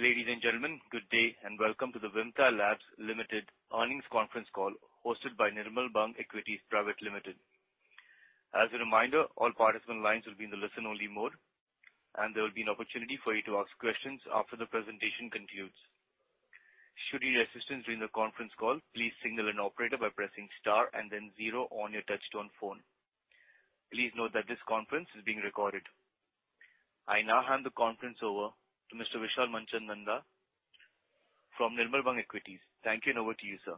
Ladies and gentlemen, good day, and welcome to the Vimta Labs Limited Earnings Conference Call hosted by Nirmal Bang Equities Private Limited. As a reminder, all participant lines will be in the listen-only mode, and there will be an opportunity for you to ask questions after the presentation concludes. Should you need assistance during the conference call, please signal an operator by pressing star and then zero on your touchtone phone. Please note that this conference is being recorded. I now hand the conference over to Mr. Vishal Manchanda from Nirmal Bang Equities. Thank you, and over to you, sir.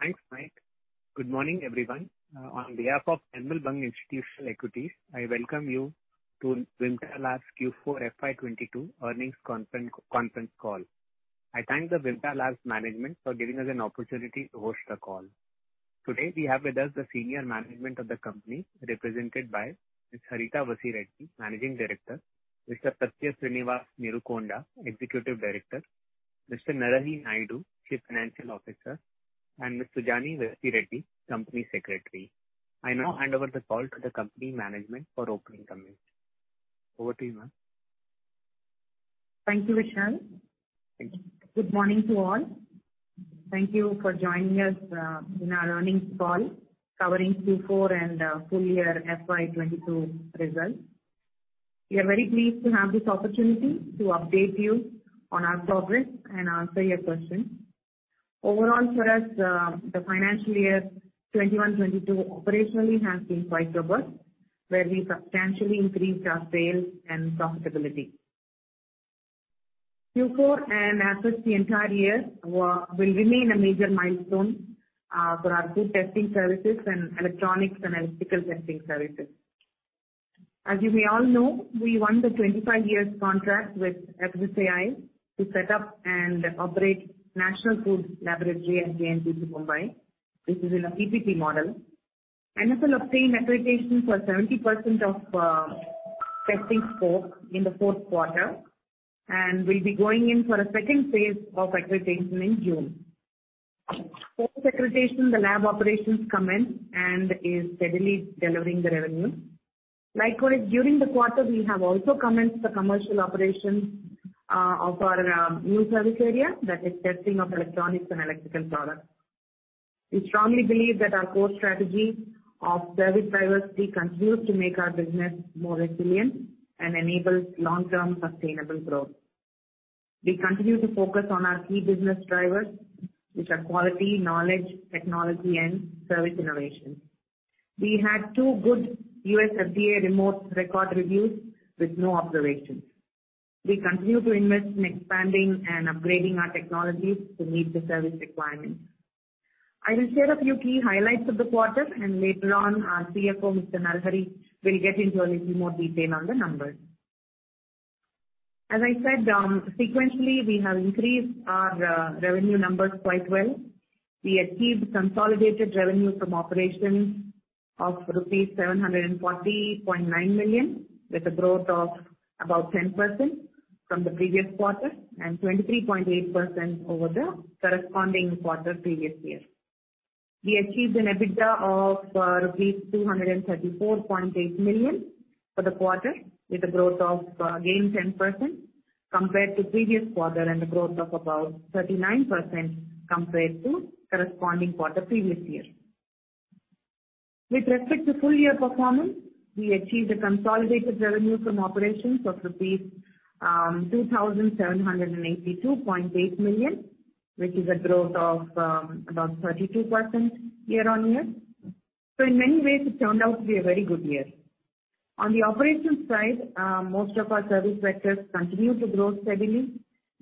Thanks, Mike. Good morning, everyone. On behalf of Nirmal Bang Institutional Equities, I welcome you to Vimta Labs Q4 FY 2022 Earnings Conference Call. I thank the Vimta Labs management for giving us an opportunity to host the call. Today, we have with us the senior management of the company, represented by Ms. Harita Vasireddi, Managing Director, Mr. Satyasreenivas Neerukonda, Executive Director, Mr. Narahari Naidu, Chief Financial Officer, and Ms. Sujani Vasireddi, Company Secretary. I now hand over the call to the company management for opening comments. Over to you, ma'am. Thank you, Vishal. Thank you. Good morning to all. Thank you for joining us in our Earnings call covering Q4 and full year FY 2022 results. We are very pleased to have this opportunity to update you on our progress and answer your questions. Overall, for us, the financial year 2021/2022 operationally has been quite robust, where we substantially increased our sales and profitability. Q4 and across the entire year will remain a major milestone for our food testing services and electronics and electrical testing services. As you may all know, we won the 25 years contract with FSSAI to set up and operate National Food Laboratory at JNPT, Navi Mumbai. This is in a PPP model. NFL obtained accreditation for 70% of testing scope in the fourth quarter and will be going in for a second phase of accreditation in June. Post accreditation, the lab operations commenced and is steadily delivering the revenue. Likewise, during the quarter, we have also commenced the commercial operations of our new service area, that is testing of electronics and electrical products. We strongly believe that our core strategy of service diversity continues to make our business more resilient and enables long-term sustainable growth. We continue to focus on our key business drivers, which are quality, knowledge, technology, and service innovation. We had two good U.S. FDA remote record reviews with no observations. We continue to invest in expanding and upgrading our technologies to meet the service requirements. I will share a few key highlights of the quarter, and later on our CFO, Mr. Narahari Naidu, will get into a little more detail on the numbers. As I said, sequentially, we have increased our revenue numbers quite well. We achieved consolidated revenue from operations of rupees 740.9 million, with a growth of about 10% from the previous quarter and 23.8% over the corresponding quarter previous year. We achieved an EBITDA of rupees 234.8 million for the quarter, with a growth of, again, 10% compared to previous quarter and a growth of about 39% compared to corresponding quarter previous year. With respect to full year performance, we achieved a consolidated revenue from operations of rupees 2,782.8 million, which is a growth of about 32% year-on-year. In many ways it turned out to be a very good year. On the operations side, most of our service sectors continue to grow steadily,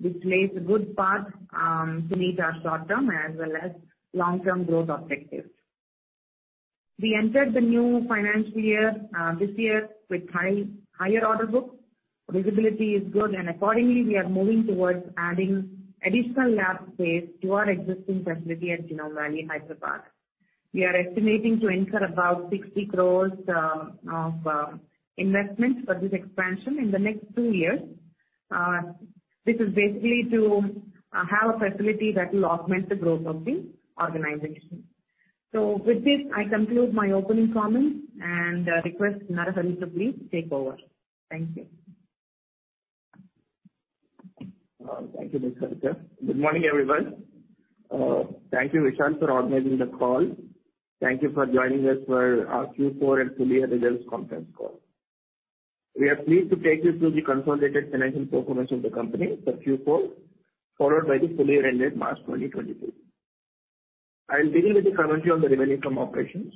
which lays a good path to meet our short-term as well as long-term growth objectives. We entered the new financial year this year with higher order books. Visibility is good, and accordingly, we are moving towards adding additional lab space to our existing facility at Genome Valley in Hyderabad. We are estimating to incur about 60 crores of investments for this expansion in the next two years. This is basically to have a facility that will augment the growth of the organization. With this, I conclude my opening comments and request Narahari to please take over. Thank you. Thank you, Ms. Harita Vasireddi. Good morning, everyone. Thank you, Vishal Manchanda, for organizing the call. Thank you for joining us for our Q4 and full year results conference call. We are pleased to take you through the consolidated financial performance of the company for Q4, followed by the full year ended March 2022. I'll begin with the commentary on the revenue from operations.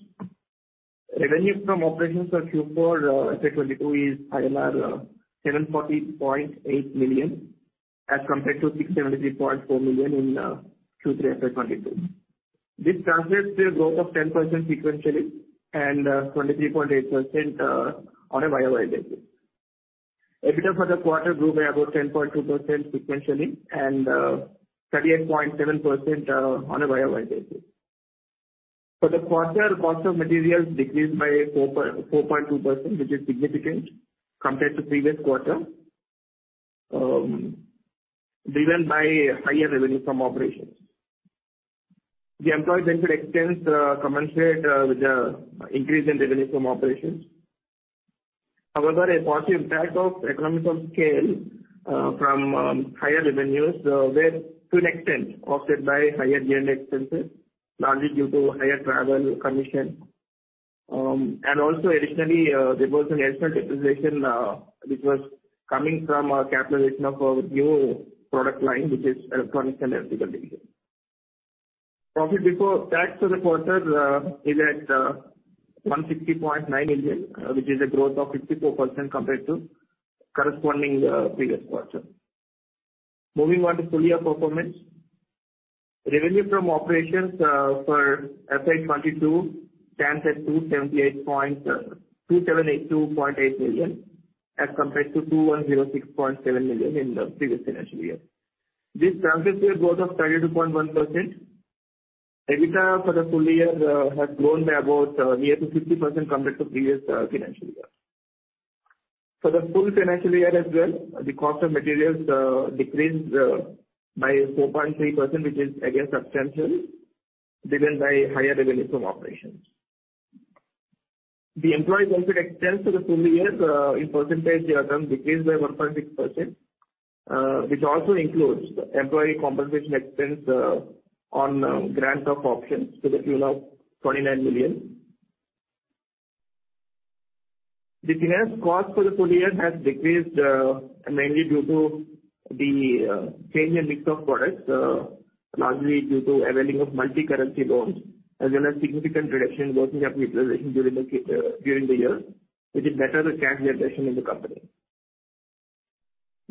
Revenue from operations for Q4, FY 2022 is 740.8 million, as compared to 673.4 million in Q3 FY 2022. This translates to a growth of 10% sequentially and 23.8% on a YOY basis. EBITDA for the quarter grew by about 10.2% sequentially and 38.7% on a YOY basis. For the quarter, cost of materials decreased by 4.2%, which is significant compared to previous quarter, driven by higher revenue from operations. The employee benefit expense commensurate with the increase in revenue from operations. However, a positive impact of economies of scale from higher revenues were to an extent offset by higher general expenses, largely due to higher travel and commission. And also additionally, there was an extra depreciation, which was coming from a capitalization of a new product line, which is electronics and electrical division. Profit before tax for the quarter is at 160.9 million, which is a growth of 54% compared to corresponding previous quarter. Moving on to full year performance. Revenue from operations for FY 2022 stands at 278.2 million as compared to 210.6 million in the previous financial year. This translates to a growth of 32.1%. EBITDA for the full year has grown by about near to 50% compared to previous financial year. For the full financial year as well, the cost of materials decreased by 4.3% which is again substantial, driven by higher revenue from operations. The employee benefit expense for the full year in percentage terms decreased by 1.6%, which also includes employee compensation expense on grants of options to the tune of INR 29 million. The finance cost for the full year has decreased, mainly due to the change in mix of products, largely due to availing of multi-currency loans as well as significant reduction in working capital utilization during the year, which is better reflects the investment in the company.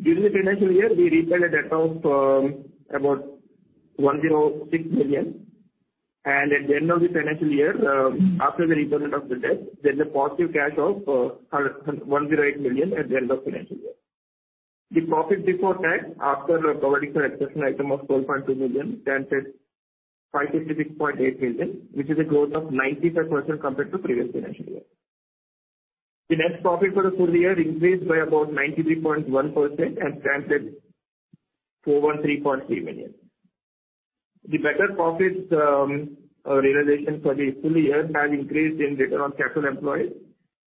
During the financial year, we repaid a debt of about 106 million. At the end of the financial year, after the repayment of the debt, there's a positive cash of 108 million at the end of financial year. The profit before tax after providing for exceptional item of 12.2 million stands at 556.8 million, which is a growth of 95% compared to previous financial year. The net profit for the full year increased by about 93.1% and stands at 413.3 million. The better profits, realization for the full year has increased in return on capital employed,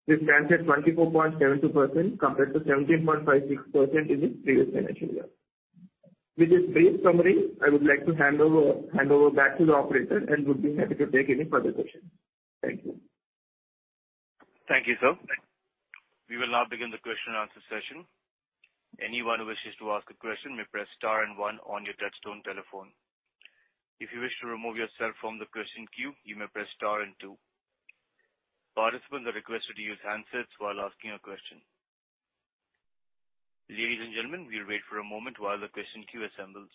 which stands at 24.72% compared to 17.56% in the previous financial year. With this brief summary, I would like to hand over back to the operator and would be happy to take any further questions. Thank you. Thank you, sir. We will now begin the question and answer session. Anyone who wishes to ask a question may press star and one on your touchtone telephone. If you wish to remove yourself from the question queue, you may press star and two. Participants are requested to use handsets while asking a question. Ladies and gentlemen, we'll wait for a moment while the question queue assembles.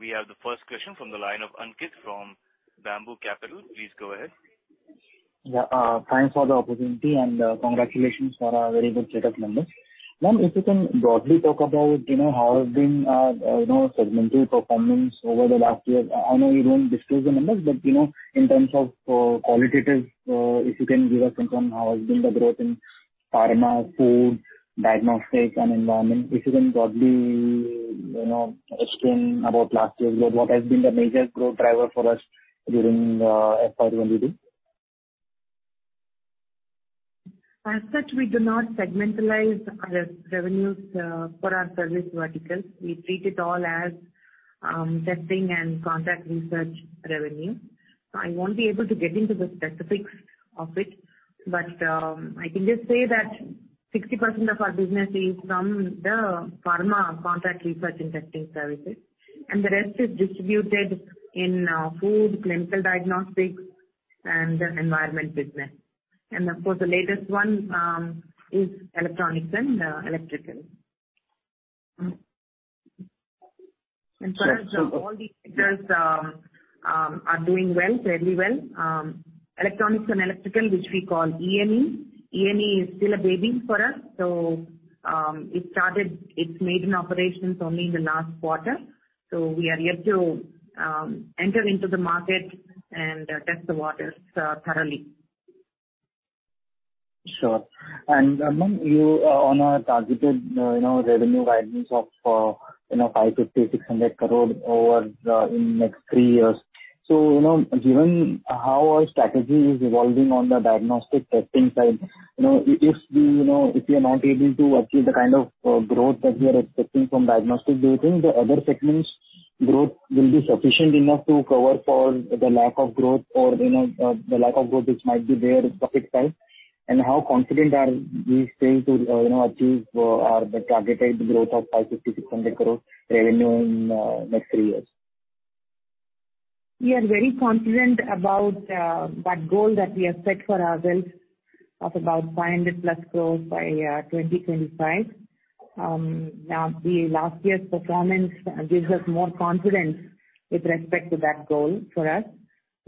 We have the first question from the line of Ankit from Bamboo Capital. Please go ahead. Yeah, thanks for the opportunity and congratulations for a very good set of numbers. Ma'am, if you can broadly talk about, you know, how has been you know segmental performance over the last year. I know you don't disclose the numbers, but you know in terms of qualitative if you can give us insight on how has been the growth in pharma, food, diagnostics and environment. If you can broadly you know explain about last year's growth. What has been the major growth driver for us during FY 2022? As such, we do not segmentalize our revenues for our service verticals. We treat it all as testing and contract research revenue. I won't be able to get into the specifics of it, but I can just say that 60% of our business is from the pharma contract research and testing services, and the rest is distributed in food, clinical diagnostics and the environment business. Of course, the latest one is electronics and electrical. Sure. For us, all the sectors are doing well, fairly well. Electronics and electrical, which we call E&E. E&E is still a baby for us. It started its maiden operations only in the last quarter. We are yet to enter into the market and test the waters thoroughly. Sure. Ma'am, you are on a targeted revenue guidance of 550 crore-600 crore over the next three years. Given how our strategy is evolving on the diagnostic testing side, you know, if we are not able to achieve the kind of growth that we are expecting from diagnostic, do you think the other segments growth will be sufficient enough to cover for the lack of growth or, you know, the lack of growth which might be there on the profit side? How confident are we staying true to, you know, achieve our targeted growth of 550 crore-600 crore revenue in next three years? We are very confident about that goal that we have set for ourselves of about 500+% growth by 2025. Now the last year's performance gives us more confidence with respect to that goal for us.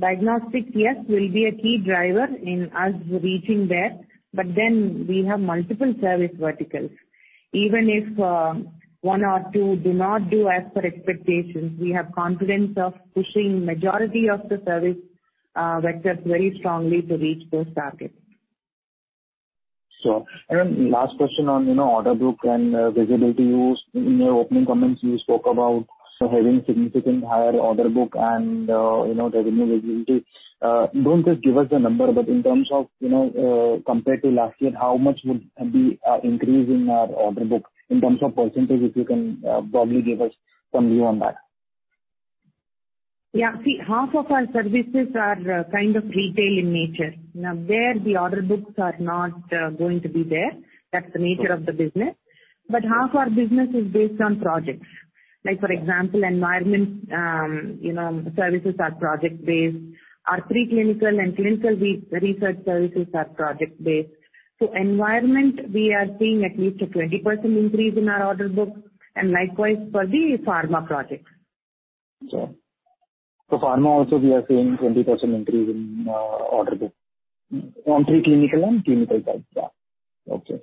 Diagnostics, yes, will be a key driver in us reaching there, but then we have multiple service verticals. Even if one or two do not do as per expectations, we have confidence of pushing majority of the service vectors very strongly to reach those targets. Sure. Last question on, you know, order book and visibility. In your opening comments you spoke about having significant higher order book and, you know, revenue visibility. Don't just give us the number, but in terms of, you know, compared to last year, how much would be increase in our order book in terms of percentage, if you can probably give us some view on that. Yeah. See, half of our services are kind of retail in nature. Now, there the order books are not going to be there. That's the nature of the business. Half our business is based on projects. Like for example, environment you know services are project-based. Our pre-clinical and clinical research services are project-based. Environment we are seeing at least a 20% increase in our order book, and likewise for the pharma projects. Sure. Pharma also we are seeing 20% increase in order book on pre-clinical and clinical side. Yeah. Okay.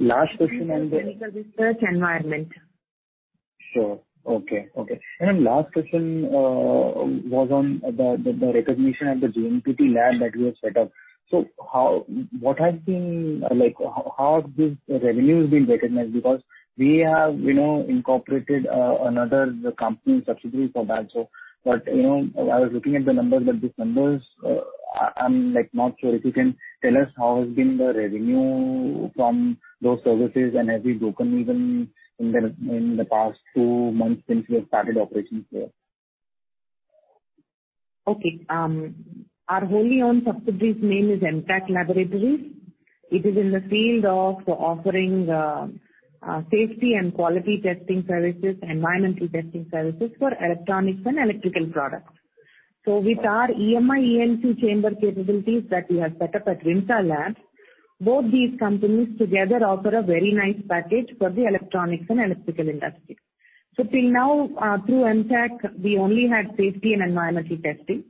Last question and- Pre-clinical research environment. Last question was on the recognition at the JNPT lab that you have set up. Like, how this revenue has been recognized, because we have, you know, incorporated another company subsidiary for that. But, you know, I was looking at the numbers, but these numbers, I'm, like, not sure if you can tell us how has been the revenue from those services and have we broken even in the past two months since we have started operations there? Okay. Our wholly owned subsidiary's name is EMTAC Laboratories. It is in the field of offering safety and quality testing services, environmental testing services for electronics and electrical products. With our EMI/EMC chamber capabilities that we have set up at EMTAC Lab, both these companies together offer a very nice package for the electronics and electrical industry. Till now, through EMTAC we only had safety and environmental testing,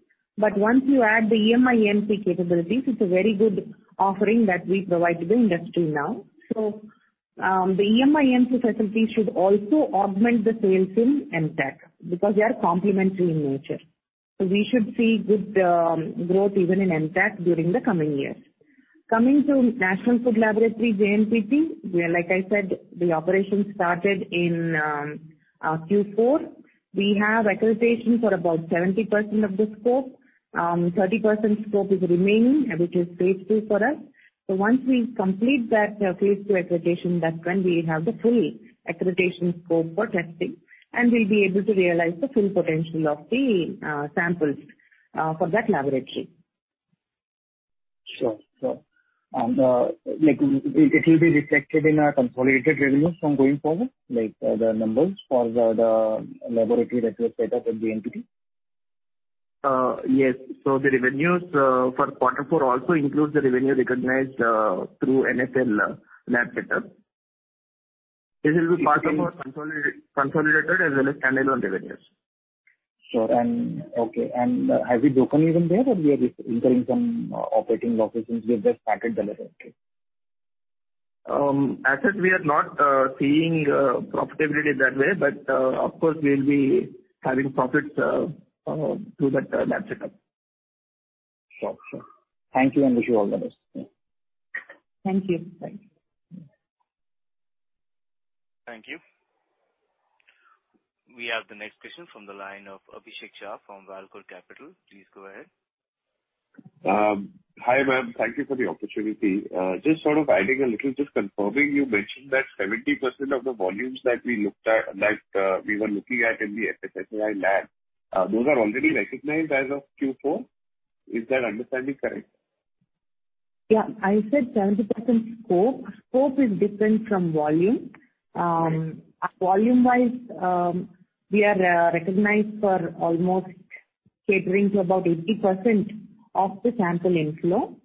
but once you add the EMI/EMC capabilities, it's a very good offering that we provide to the industry now. The EMI/EMC facilities should also augment the sales in EMTAC because they are complementary in nature. We should see good growth even in EMTAC during the coming years. Coming to National Food Laboratory, JNPT, where, like I said, the operations started in Q4. We have accreditation for about 70% of the scope. 30% scope is remaining, which is phase II for us. Once we complete that, phase two accreditation, that's when we have the full accreditation scope for testing, and we'll be able to realize the full potential of the samples for that laboratory. Sure. Like, it will be reflected in our consolidated revenues from going forward, like the numbers for the laboratory that you have set up at the entity? Yes. The revenues for quarter four also includes the revenue recognized through NFL lab setup. This will be part of our consolidated as well as standalone revenues. Sure. Okay, and have we broken even there or we are just incurring some operating losses since we have just started the laboratory? As such, we are not seeing profitability that way, but of course we'll be having profits through that lab setup. Sure. Sure. Thank you, and wish you all the best. Yeah. Thank you. Bye. Thank you. We have the next question from the line of Abhishek Shah from Valcore Capital. Please go ahead. Hi, ma'am. Thank you for the opportunity. Just sort of adding a little, just confirming, you mentioned that 70% of the volumes that we looked at, that we were looking at in the FSSAI lab, those are already recognized as of Q4. Is that understanding correct? Yeah. I said 70% scope. Scope is different from volume. Volume-wise, we are recognized for almost catering to about 80% of the sample inflow.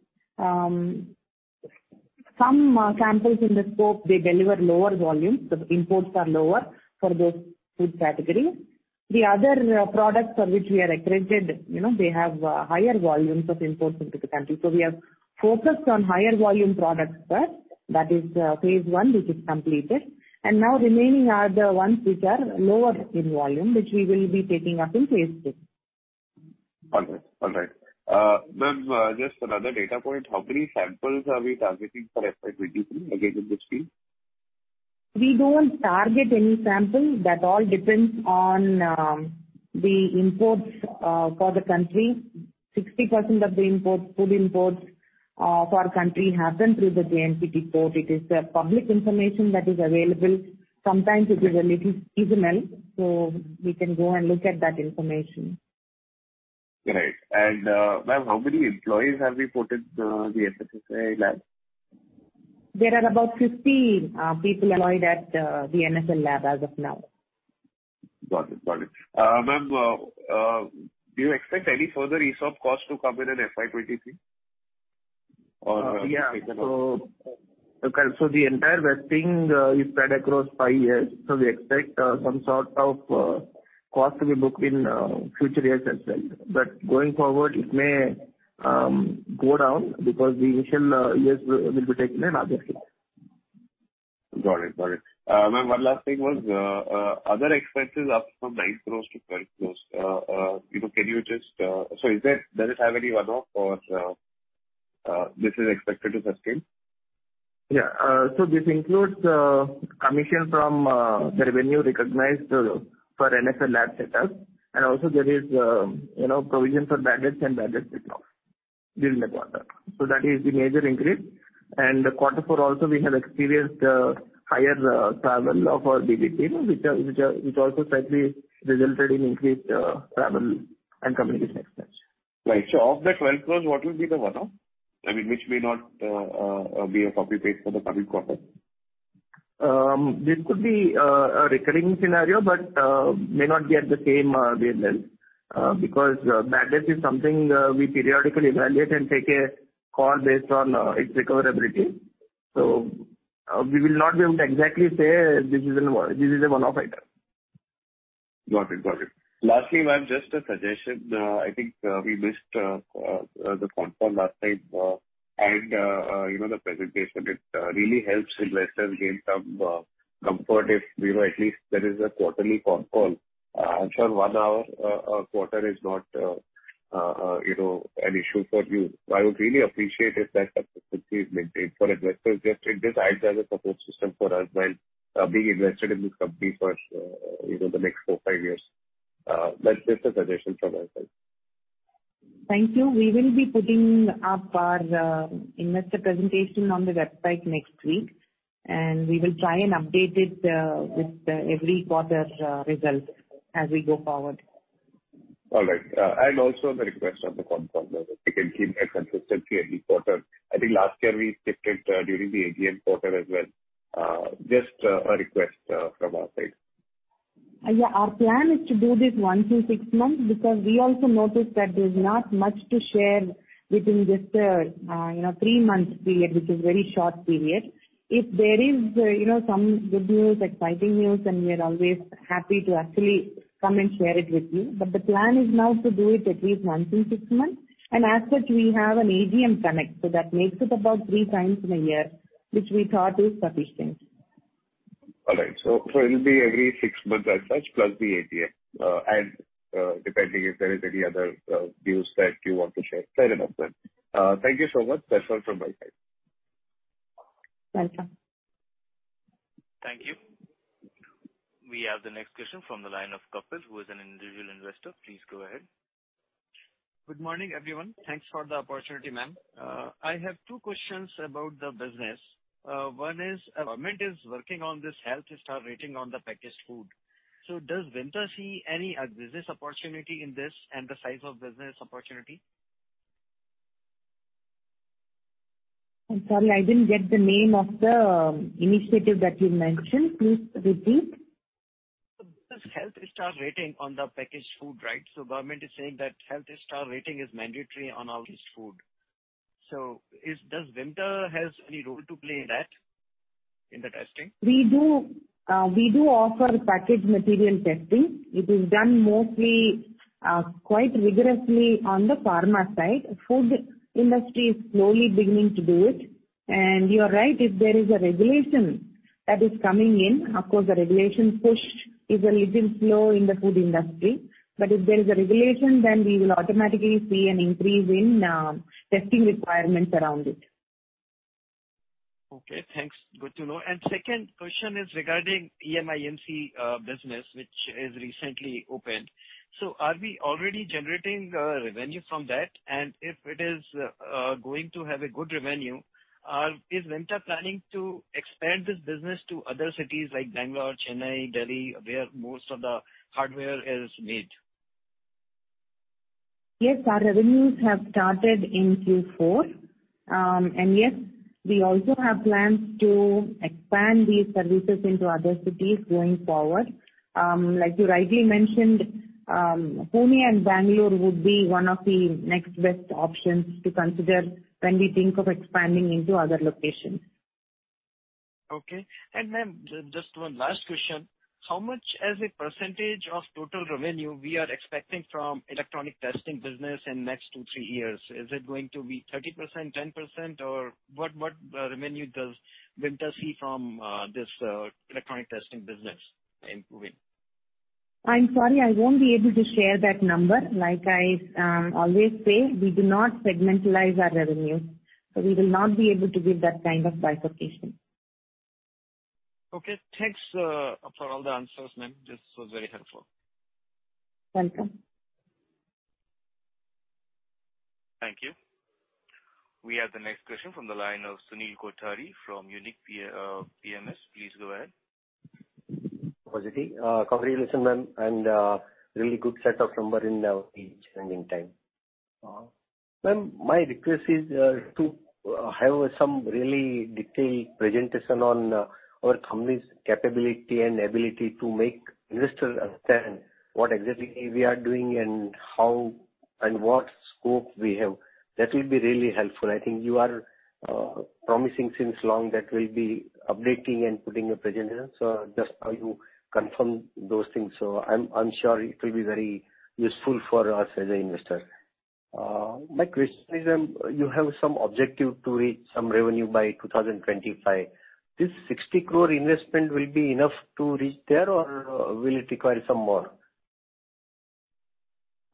Some samples in the scope, they deliver lower volumes. The imports are lower for those food categories. The other products for which we are accredited, you know, they have higher volumes of imports into the country. We have focused on higher volume products first. That is phase one, which is completed. Now remaining are the ones which are lower in volume, which we will be taking up in phase two. All right. Ma'am, just another data point. How many samples are we targeting for FY 2023 against this scheme? We don't target any sample. That all depends on the imports for the country. 60% of the imports, food imports, for our country happen through the JNPT port. It is public information that is available. Sometimes it is a little seasonal, so we can go and look at that information. Great. Ma'am, how many employees have we put in the FSSAI lab? There are about 50 people employed at the NFL lab as of now. Got it. Ma'am, do you expect any further ESOP costs to come in in FY 2023? Or- The entire vesting is spread across five years. We expect some sort of cost to be booked in future years as well. Going forward, it may go down because the initial years will be taken in. Got it. Ma'am, one last thing was, other expenses are from 9 crore-12 crore. You know, can you just, does it have any one-off or, this is expected to sustain? Yeah. This includes commission from the revenue recognized for NFL lab setup. Also there is, you know, provision for bad debts and bad debt write-off during the quarter. That is the major increase. Quarter four also we have experienced higher travel of our BD team, which also slightly resulted in increased travel and communication expense. Right. Of the 12 crores, what will be the one-off? I mean, which may not be a copy paste for the coming quarter. This could be a recurring scenario, but may not be at the same level, because bad debts is something we periodically evaluate and take a call based on its recoverability. We will not be able to exactly say this is a one-off item. Got it. Lastly, ma'am, just a suggestion. I think we missed the conf call last time. You know, the presentation really helps investors gain some comfort if there is at least a quarterly conf call. I'm sure one hour a quarter is not you know an issue for you. I would really appreciate if that consistency is maintained for investors. It just adds as a support system for us while being invested in this company for you know the next four, five years. That's just a suggestion from our side. Thank you. We will be putting up our investor presentation on the website next week, and we will try and update it with every quarter's results as we go forward. All right. Also the request of the conf call, if you can keep a consistency every quarter. I think last year we skipped it, during the AGM quarter as well. Just a request from our side. Yeah. Our plan is to do this once in six months because we also noticed that there's not much to share within just, three months period, which is very short period. If there is, some good news, exciting news, then we are always happy to actually come and share it with you. The plan is now to do it at least once in six months. As such, we have an AGM connect, so that makes it about 3x in a year, which we thought is sufficient. All right. It'll be every six months as such, plus the AGM. Depending if there is any other news that you want to share. Fair enough then. Thank you so much. That's all from my side. Welcome. Thank you. We have the next question from the line of Kapil, who is an individual investor. Please go ahead. Good morning, everyone. Thanks for the opportunity, ma'am. I have two questions about the business. One is our government is working on this Health Star Rating on the packaged food. Does Vimta see any business opportunity in this and the size of business opportunity? I'm sorry, I didn't get the name of the initiative that you mentioned. Please repeat. This health star rating on the packaged food, right? Government is saying that health star rating is mandatory on all this food. Does Vimta has any role to play in that, in the testing? We do offer packaged material testing. It is done mostly, quite rigorously on the pharma side. Food industry is slowly beginning to do it. You are right, if there is a regulation that is coming in, of course, the regulation push is a little slow in the food industry. If there is a regulation, then we will automatically see an increase in testing requirements around it. Okay, thanks. Good to know. Second question is regarding EMI/EMC business, which is recently opened. So are we already generating revenue from that? If it is going to have a good revenue, is Vimta planning to expand this business to other cities like Bangalore, Chennai, Delhi, where most of the hardware is made? Yes, our revenues have started in Q4. Yes, we also have plans to expand these services into other cities going forward. Like you rightly mentioned, Pune and Bangalore would be one of the next best options to consider when we think of expanding into other locations. Okay. Ma'am, just one last question. How much as a percentage of total revenue are we expecting from electronics testing business in next two, three years? Is it going to be 30%, 10%? Or what revenue does Vimta see from this electronics testing business improving? I'm sorry, I won't be able to share that number. Like I always say, we do not segmentalize our revenue. We will not be able to give that kind of bifurcation. Okay, thanks, for all the answers, ma'am. This was very helpful. Welcome. Thank you. We have the next question from the line of Sunil Kothari from Unique PMS. Please go ahead. Congratulations, ma'am, and really good set of numbers in each earnings time. Ma'am, my request is to have some really detailed presentation on our company's capability and ability to make investors understand what exactly we are doing and how and what scope we have. That will be really helpful. I think you are promising since long that we'll be updating and putting a presentation. Just how you confirm those things. I'm sure it will be very useful for us as an investor. My question is, you have some objective to reach some revenue by 2025. This 60 crore investment will be enough to reach there, or will it require some more?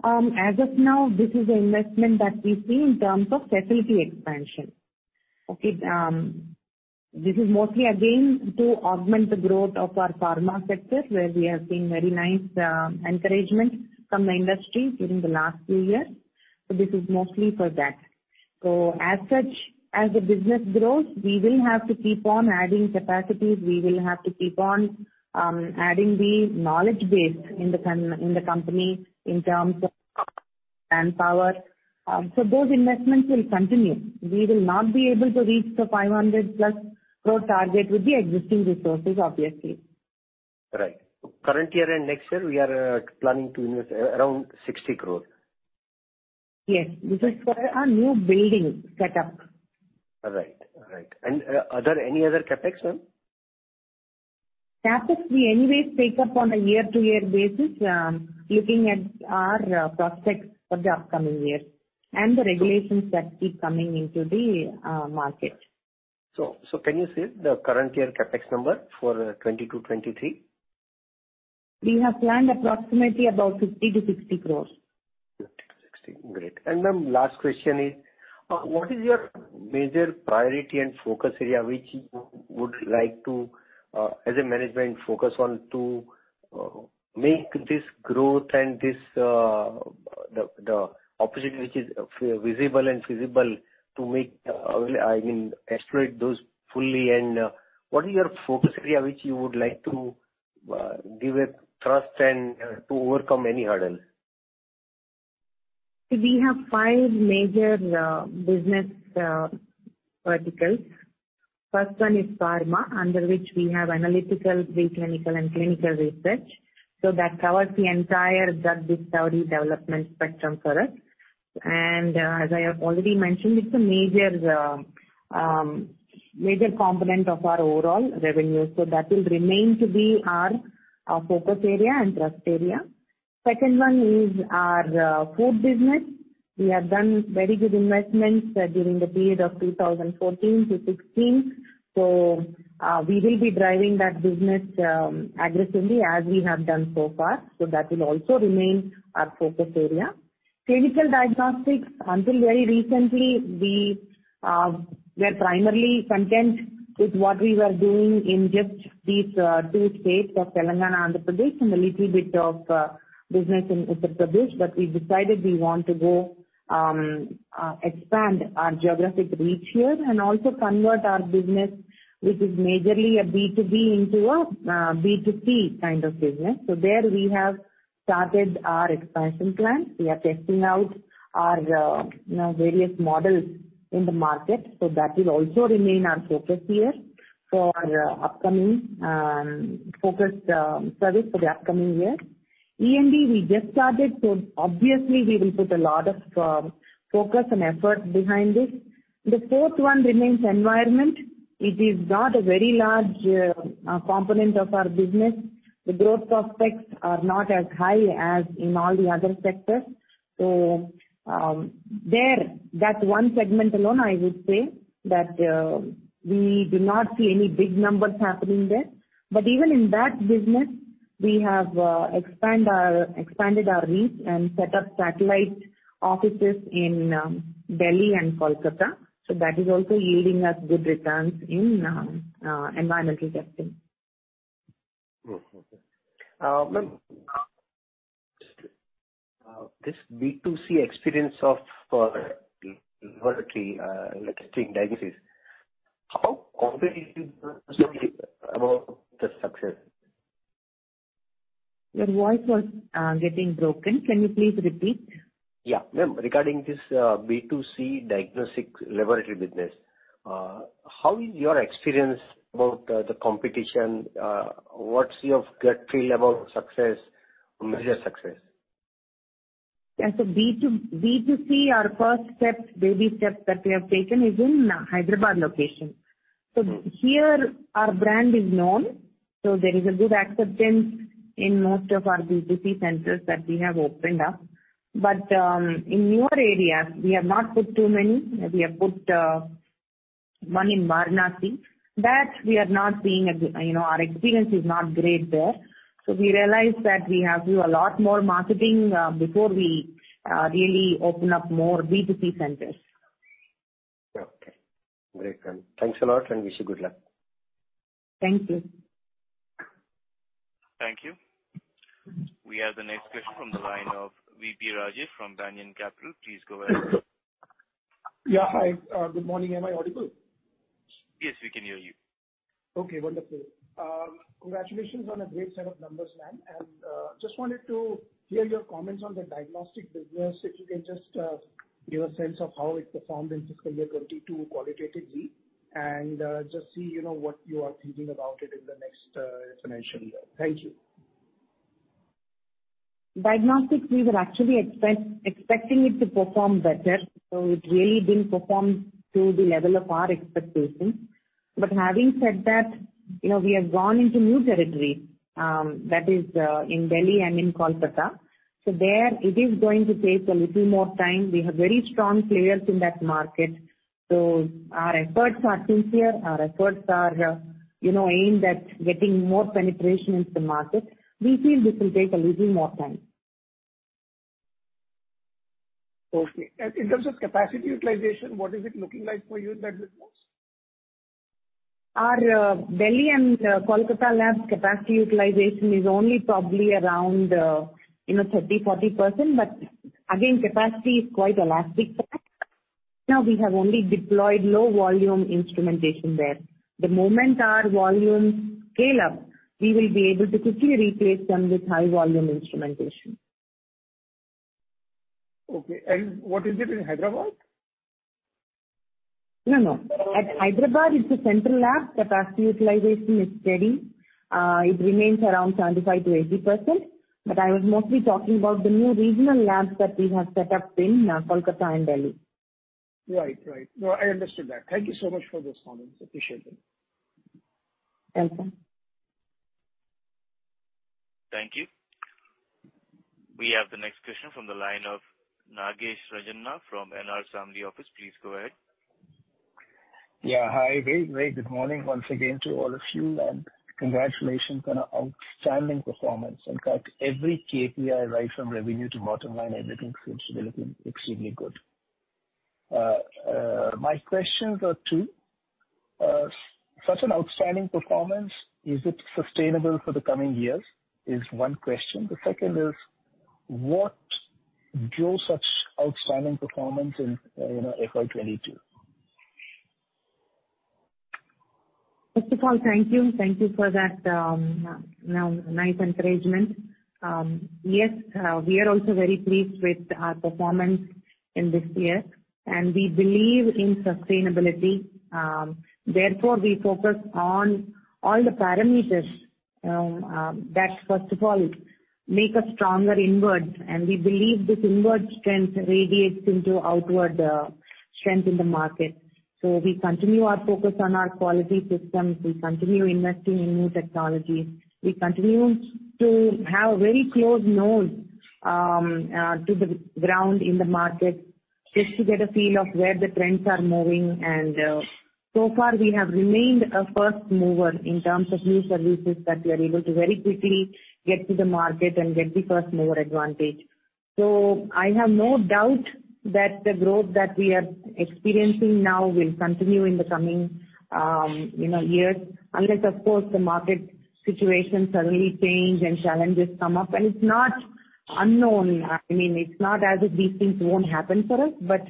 As of now, this is the investment that we see in terms of facility expansion. Okay. This is mostly again to augment the growth of our pharma sector, where we have seen very nice encouragement from the industry during the last few years. This is mostly for that. As such, as the business grows, we will have to keep on adding capacities. We will have to keep on adding the knowledge base in the company in terms of manpower. Those investments will continue. We will not be able to reach the 500+ growth target with the existing resources, obviously. Right. Current year and next year, we are planning to invest around 60 crore. Yes. This is for our new building set up. All right. Are there any other CapEx, ma'am? CapEx we always take up on a year-to-year basis, looking at our prospects for the upcoming years and the regulations that keep coming into the market. Can you say the current year CapEx number for 2022-2023? We have planned approximately about 50 crores-60 crores. 50-60. Great. Ma'am, last question is, what is your major priority and focus area which you would like to, as a management focus on to, make this growth and this, the opportunity which is visible and feasible to make, I mean, exploit those fully. What is your focus area which you would like to, give a thrust and, to overcome any hurdles? We have five major business verticals. First one is pharma, under which we have analytical, preclinical and clinical research. That covers the entire drug discovery development spectrum for us. As I have already mentioned, it's a major component of our overall revenue. That will remain to be our focus area and thrust area. Second one is our food business. We have done very good investments during the period of 2014-2016. We will be driving that business aggressively as we have done so far. That will also remain our focus area. Clinical diagnostics, until very recently, we were primarily content with what we were doing in just these two states of Telangana, Andhra Pradesh, and a little bit of business in Uttar Pradesh. We decided we want to go, expand our geographic reach here and also convert our business, which is majorly a B2B into a, B2C kind of business. There we have started our expansion plans. We are testing out our, you know, various models in the market, so that will also remain our focus here for upcoming, focused, service for the upcoming year. E&E we just started, so obviously we will put a lot of, focus and effort behind this. The fourth one remains environment. It is not a very large, component of our business. The growth prospects are not as high as in all the other sectors. There, that one segment alone, I would say that, we do not see any big numbers happening there. Even in that business, we have expanded our reach and set up satellite offices in Delhi and Kolkata. That is also yielding us good returns in environmental testing. Okay. Ma'am, this B2C experience of laboratory testing diagnosis, how confident you are about the success? Your voice was getting broken. Can you please repeat? Yeah. Ma'am, regarding this, B2C diagnostics laboratory business, how is your experience about the competition? What's your gut feel about success, major success? As a B2C, our first step, baby step that we have taken is in Hyderabad location. Here our brand is known, so there is a good acceptance in most of our B2C centers that we have opened up. In newer areas we have not put too many. We have put one in Varanasi. That we are not seeing you know, our experience is not great there. We realized that we have to do a lot more marketing before we really open up more B2C centers. Okay. Great, ma'am. Thanks a lot and wish you good luck. Thank you. We have the next question from the line of V.P. Rajesh from Banyan Capital. Please go ahead. Yeah, hi. Good morning. Am I audible? Yes, we can hear you. Okay, wonderful. Congratulations on a great set of numbers, ma'am. Just wanted to hear your comments on the diagnostic business. If you can just give a sense of how it performed in fiscal year 2022 qualitatively and just say, you know, what you are thinking about it in the next financial year. Thank you. Diagnostics, we were actually expecting it to perform better. It really didn't perform to the level of our expectations. Having said that, you know, we have gone into new territory, that is, in Delhi and in Kolkata. There, it is going to take a little more time. We have very strong players in that market. Our efforts are sincere, you know, aimed at getting more penetration into the market. We feel this will take a little more time. Okay. In terms of capacity utilization, what is it looking like for you in that business? Our Delhi and Kolkata labs capacity utilization is only probably around 30%-40%. Again, capacity is quite elastic. Now we have only deployed low volume instrumentation there. The moment our volumes scale up, we will be able to quickly replace them with high volume instrumentation. Okay. What is it in Hyderabad? No, no. At Hyderabad, it's a central lab. Capacity utilization is steady. It remains around 75%-80%. I was mostly talking about the new regional labs that we have set up in Kolkata and Delhi. Right. Right. No, I understood that. Thank you so much for those comments. Appreciate them. Welcome. Thank you. We have the next question from the line of Nageswaran Rajah from NR Samdani office. Please go ahead. Yeah. Hi. Very great. Good morning once again to all of you and congratulations on an outstanding performance. In fact, every KPI right from revenue to bottom line, everything seems to be looking extremely good. My questions are two. Such an outstanding performance, is it sustainable for the coming years? Is one question. The second is, what drove such outstanding performance in, you know, FY 2022? First of all, thank you. Thank you for that, nice encouragement. Yes, we are also very pleased with our performance in this year, and we believe in sustainability. Therefore, we focus on all the parameters, that first of all make us stronger inward, and we believe this inward strength radiates into outward, strength in the market. We continue our focus on our quality systems. We continue investing in new technologies. We continue to have very close nose, to the ground in the market just to get a feel of where the trends are moving. So far we have remained a first mover in terms of new services that we are able to very quickly get to the market and get the first mover advantage. I have no doubt that the growth that we are experiencing now will continue in the coming, you know, years. Unless, of course, the market situation suddenly change and challenges come up. It's not unknown. I mean, it's not as if these things won't happen for us, but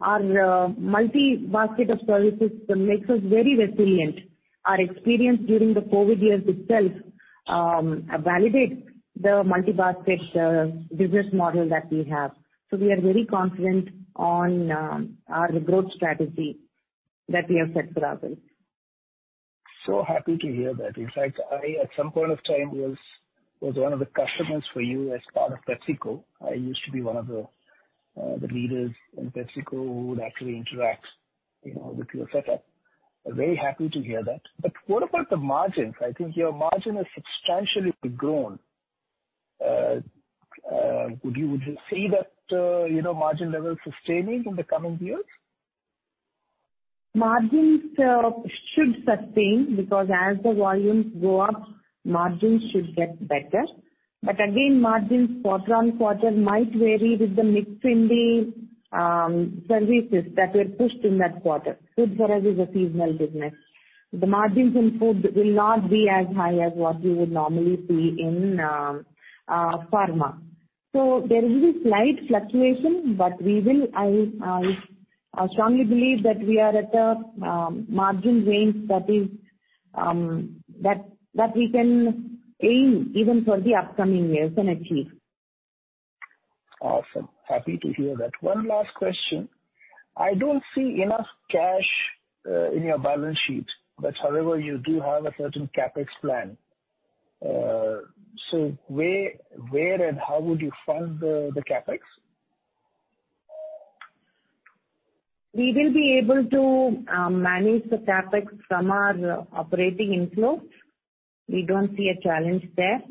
our multi-basket of services makes us very resilient. Our experience during the COVID years itself validates the multi-basket business model that we have. We are very confident on our growth strategy that we have set for ourselves. Happy to hear that. In fact, I at some point of time was one of the customers for you as part of PepsiCo. I used to be one of the leaders in PepsiCo who would actually interact, you know, with your setup. Very happy to hear that. What about the margins? I think your margin has substantially grown. Would you see that, you know, margin level sustaining in the coming years? Margins should sustain because as the volumes go up, margins should get better. Again, margins quarter-on-quarter might vary with the mix in the services that were pushed in that quarter. Food for us is a seasonal business. The margins in food will not be as high as what we would normally see in pharma. There will be slight fluctuation, but I strongly believe that we are at a margin range that is that we can aim even for the upcoming years and achieve. Awesome. Happy to hear that. One last question. I don't see enough cash in your balance sheet. However, you do have a certain CapEx plan. Where and how would you fund the CapEx? We will be able to manage the CapEx from our operating inflows. We don't see a challenge there.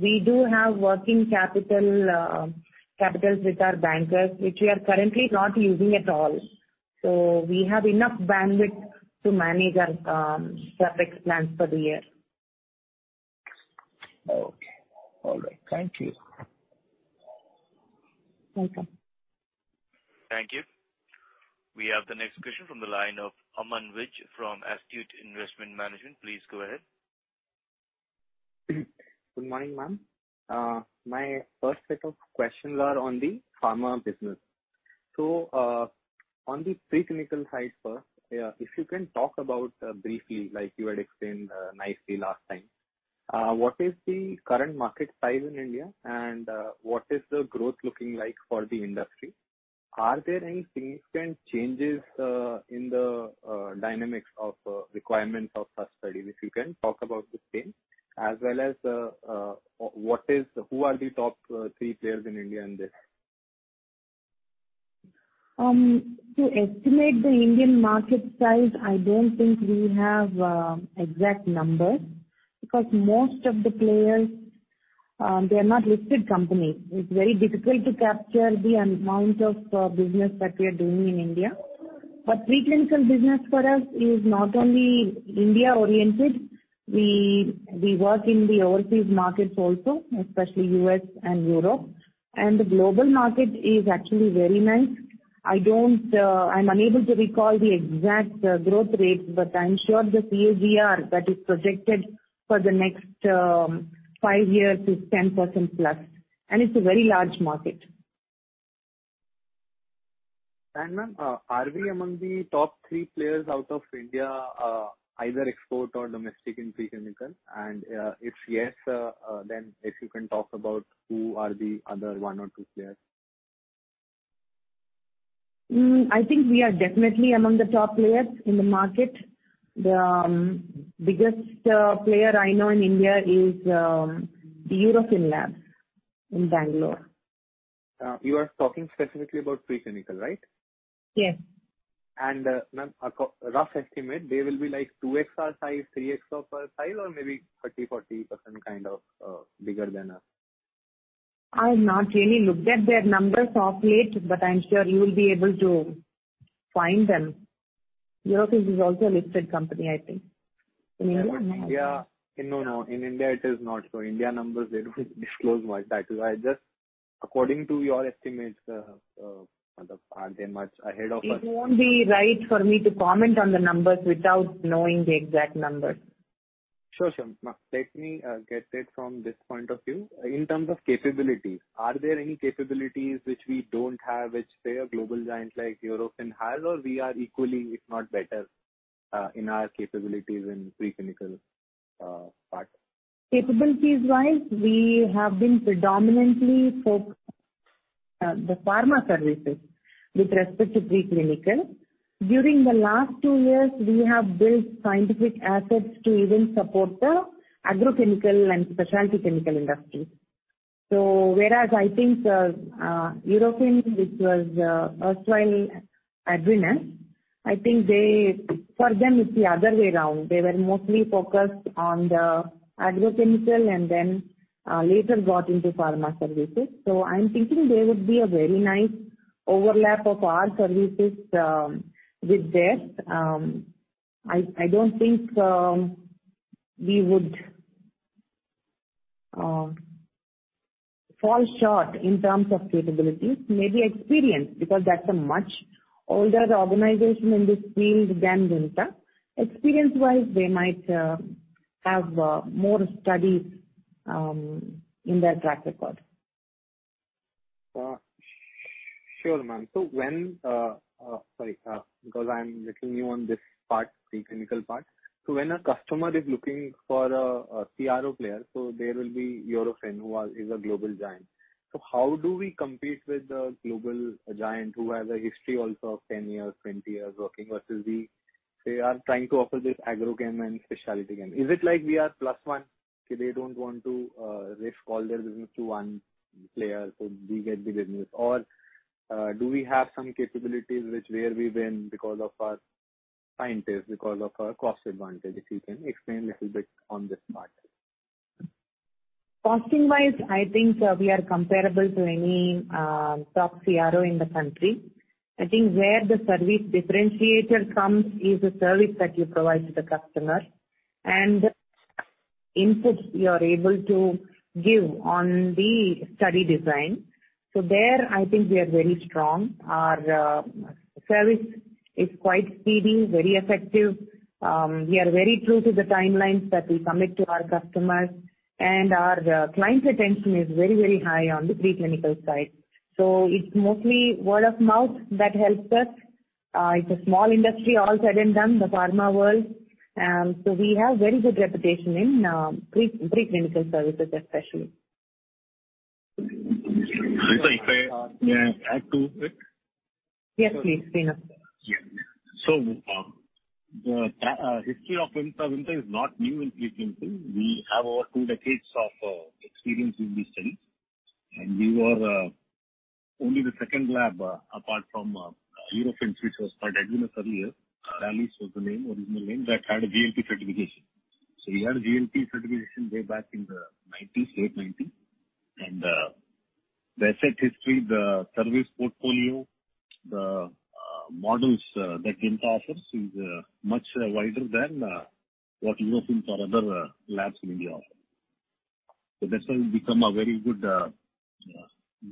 We do have working capital facilities with our bankers, which we are currently not using at all. We have enough bandwidth to manage our CapEx plans for the year. Okay. All right. Thank you. Welcome. Thank you. We have the next question from the line of Aman Vij from Astute Investment Management. Please go ahead. Good morning, ma'am. My first set of questions are on the pharma business. On the pre-clinical side first, yeah, if you can talk about briefly, like you had explained nicely last time. What is the current market size in India and what is the growth looking like for the industry? Are there any significant changes in the dynamics of requirements of such studies? If you can talk about the same as well as who are the top three players in India in this? To estimate the Indian market size, I don't think we have exact numbers because most of the players, they are not listed companies. It's very difficult to capture the amount of business that we are doing in India. Pre-clinical business for us is not only India-oriented. We work in the overseas markets also, especially U.S. and Europe. The global market is actually very nice. I don't... I'm unable to recall the exact growth rate, but I'm sure the CAGR that is projected for the next five years is 10%+, and it's a very large market. Ma'am, are we among the top three players out of India, either export or domestic in pre-clinical? If yes, then if you can talk about who are the other one or two players? I think we are definitely among the top players in the market. The biggest player I know in India is the Eurofins Labs in Bangalore. You are talking specifically about pre-clinical, right? Yes. Ma'am, rough estimate, they will be like 2x our size, 3x our size, or maybe 30%, 40% kind of bigger than us. I've not really looked at their numbers of late, but I'm sure you'll be able to find them. Eurofins is also a listed company, I think. In India, no? Yeah. No, no. In India, it is not. India numbers they don't disclose much. That is why just according to your estimates, are they much ahead of us? It won't be right for me to comment on the numbers without knowing the exact numbers. Sure, sure. Ma'am, let me get it from this point of view. In terms of capabilities, are there any capabilities which we don't have which players, global giants like Eurofins has, or we are equally, if not better, in our capabilities in pre-clinical part? Capabilities-wise, we have been predominantly focused on the pharma services with respect to pre-clinical. During the last two years, we have built scientific assets to even support the agrochemical and specialty chemical industry. Whereas I think Eurofins, which was erstwhile Advinus. For them, it's the other way around. They were mostly focused on the agrochemical and then later got into pharma services. I'm thinking there would be a very nice overlap of our services with theirs. I don't think we would fall short in terms of capabilities. Maybe experience, because that's a much older organization in this field than Vimta. Experience-wise, they might have more studies in their track record. Sure, ma'am. Sorry. Because I'm little new on this part, pre-clinical part. When a customer is looking for a CRO player, there will be Eurofins who is a global giant. How do we compete with a global giant who has a history also of 10 years, 20 years working versus we are trying to offer this agro chem and specialty chem. Is it like we are +1? They don't want to risk all their business to one player, so we get the business. Or do we have some capabilities which where we win because of our scientists, because of our cost advantage? If you can explain a little bit on this part. Costing-wise, I think, we are comparable to any top CRO in the country. I think where the service differentiator comes is the service that you provide to the customer and inputs you are able to give on the study design. There, I think we are very strong. Our service is quite speedy, very effective. We are very true to the timelines that we commit to our customers, and our client retention is very, very high on the pre-clinical side. It's mostly word of mouth that helps us. It's a small industry all said and done, the pharma world. We have very good reputation in pre-clinical services, especially. Harita, if I may add to it? Yes, please, Sreenivas. The history of Vimta is not new in preclinical. We have over two decades of experience in this study. We were only the second lab apart from Eurofins, which was called Advinus earlier, Rallis was the original name, that had a GLP certification. We had a GLP certification way back in the late 1990s. The vast history, the service portfolio, the models that Vimta offers is much wider than what, you know, our other labs in India offer. That's why we've become a very good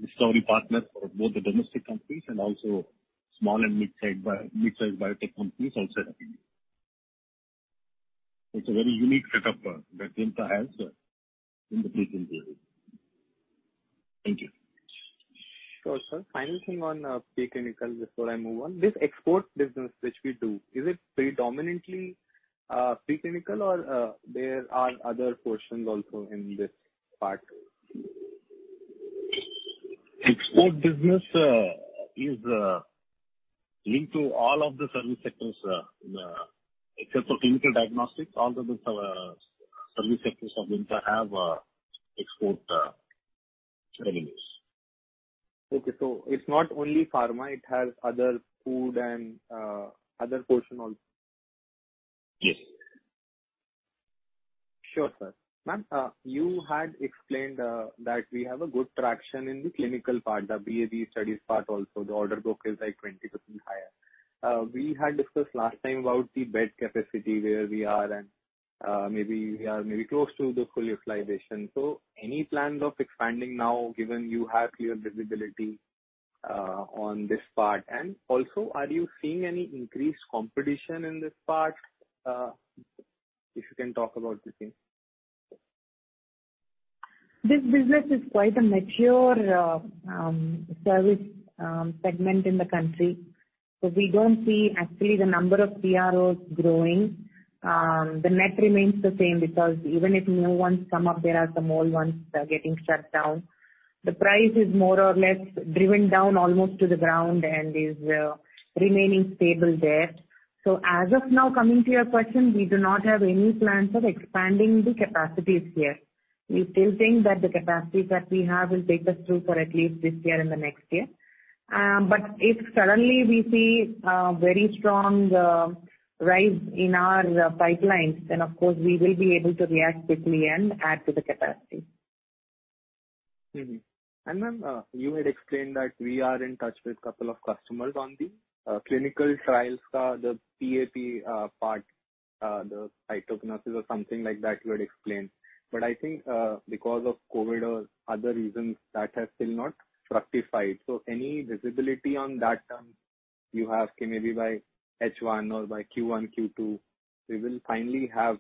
discovery partner for both the domestic companies and also small and mid-size biotech companies also. It's a very unique setup that Vimta has in the preclinical. Thank you. Sure, sir. Final thing on pre-clinical before I move on. This export business which we do, is it predominantly pre-clinical or there are other portions also in this part? Export business is linked to all of the service sectors. Except for clinical diagnostics, all the other service sectors of Vimta have export revenues. Okay. It's not only pharma. It has other food and other portion also. Yes. Sure, sir. Ma'am, you had explained that we have good traction in the clinical part, the BA/BE studies part also. The order book is, like, 20% higher. We had discussed last time about the bed capacity, where we are and maybe we are close to the full utilization. Any plans of expanding now, given you have clear visibility on this part? And also, are you seeing any increased competition in this part? If you can talk about this thing. This business is quite a mature service segment in the country. We don't see actually the number of CROs growing. The net remains the same because even if new ones come up, there are some old ones that are getting shut down. The price is more or less driven down almost to the ground and is remaining stable there. As of now, coming to your question, we do not have any plans of expanding the capacities here. We still think that the capacity that we have will take us through for at least this year and the next year. But if suddenly we see a very strong rise in our pipelines, then of course, we will be able to react quickly and add to the capacity. Ma'am, you had explained that we are in touch with couple of customers on the clinical trials, the PAP part, the cytokinesis or something like that you had explained. I think, because of COVID or other reasons, that has still not fructified. Any visibility on that front you have, maybe by H1 or by Q1, Q2, we will finally have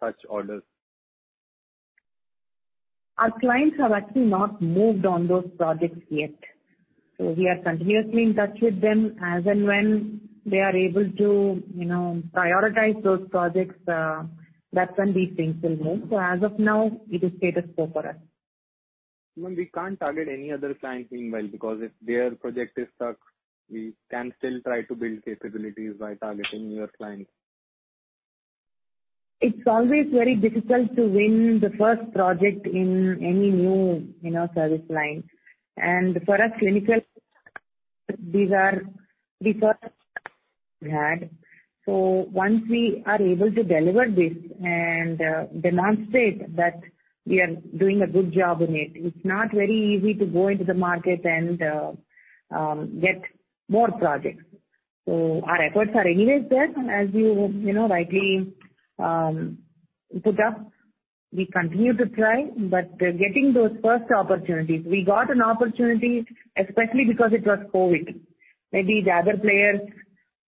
such orders. Our clients have actually not moved on those projects yet. We are continuously in touch with them. As and when they are able to, you know, prioritize those projects, that's when these things will move. As of now, it is status quo for us. Ma'am, we can't target any other clients meanwhile, because if their project is stuck, we can still try to build capabilities by targeting your clients. It's always very difficult to win the first project in any new, you know, service line. For us clinical, these are the first we had. Once we are able to deliver this and demonstrate that we are doing a good job in it's not very easy to go into the market and get more projects. Our efforts are anyways there, as you know rightly put up. We continue to try, but getting those first opportunities. We got an opportunity especially because it was COVID. Maybe the other players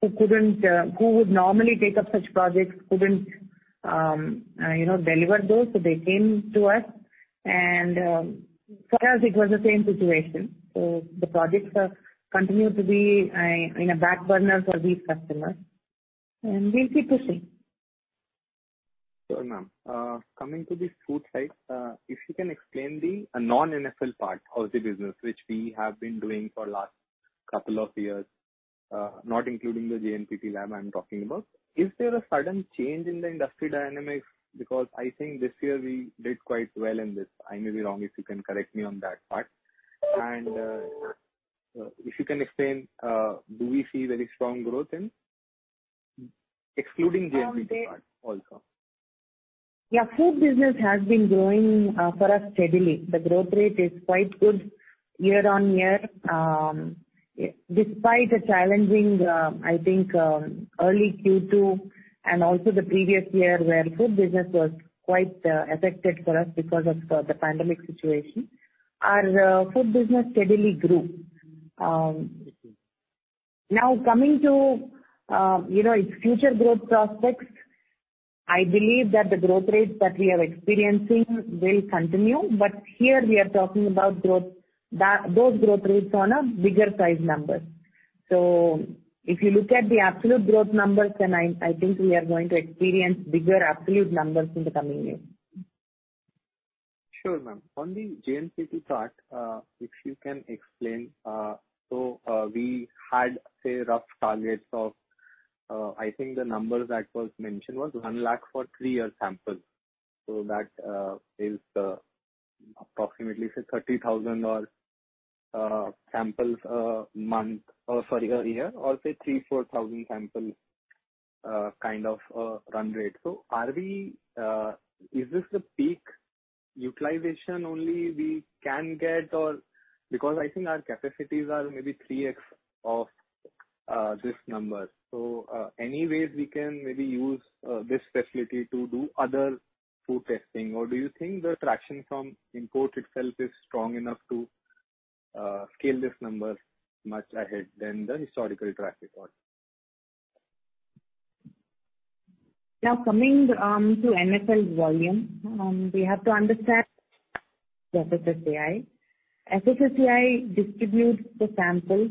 who would normally take up such projects couldn't you know deliver those, so they came to us and for us it was the same situation. The projects have continued to be on the back burner for these customers, and we'll keep pushing. Sure, ma'am. Coming to this food side, if you can explain the non-NFL part of the business which we have been doing for last couple of years, not including the JNPT lab I'm talking about. Is there a sudden change in the industry dynamics? Because I think this year we did quite well in this. I may be wrong. If you can correct me on that part. If you can explain, do we see very strong growth in excluding JNPT part also? Yeah. Food business has been growing for us steadily. The growth rate is quite good year-on-year. Despite a challenging, I think, early Q2 and also the previous year where food business was quite affected for us because of the pandemic situation. Our food business steadily grew. Now coming to, you know, its future growth prospects, I believe that the growth rates that we are experiencing will continue. But here we are talking about growth. Those growth rates on a bigger size numbers. So if you look at the absolute growth numbers, then I think we are going to experience bigger absolute numbers in the coming years. Sure, ma'am. On the JNPT part, if you can explain. So, we had, say, rough targets of, I think the number that was mentioned was 1 lakh for three-year samples. So that is approximately, say, 30,000 samples a month or for a year, or say 3,000-4,000 samples kind of a run rate. So are we... Is this the peak utilization only we can get or? Because I think our capacities are maybe 3x of this number. So, any ways we can maybe use this facility to do other food testing? Or do you think the traction from import itself is strong enough to scale this number much ahead than the historical traffic or? Now, coming to NFL volume, we have to understand the FSSAI. FSSAI distributes the samples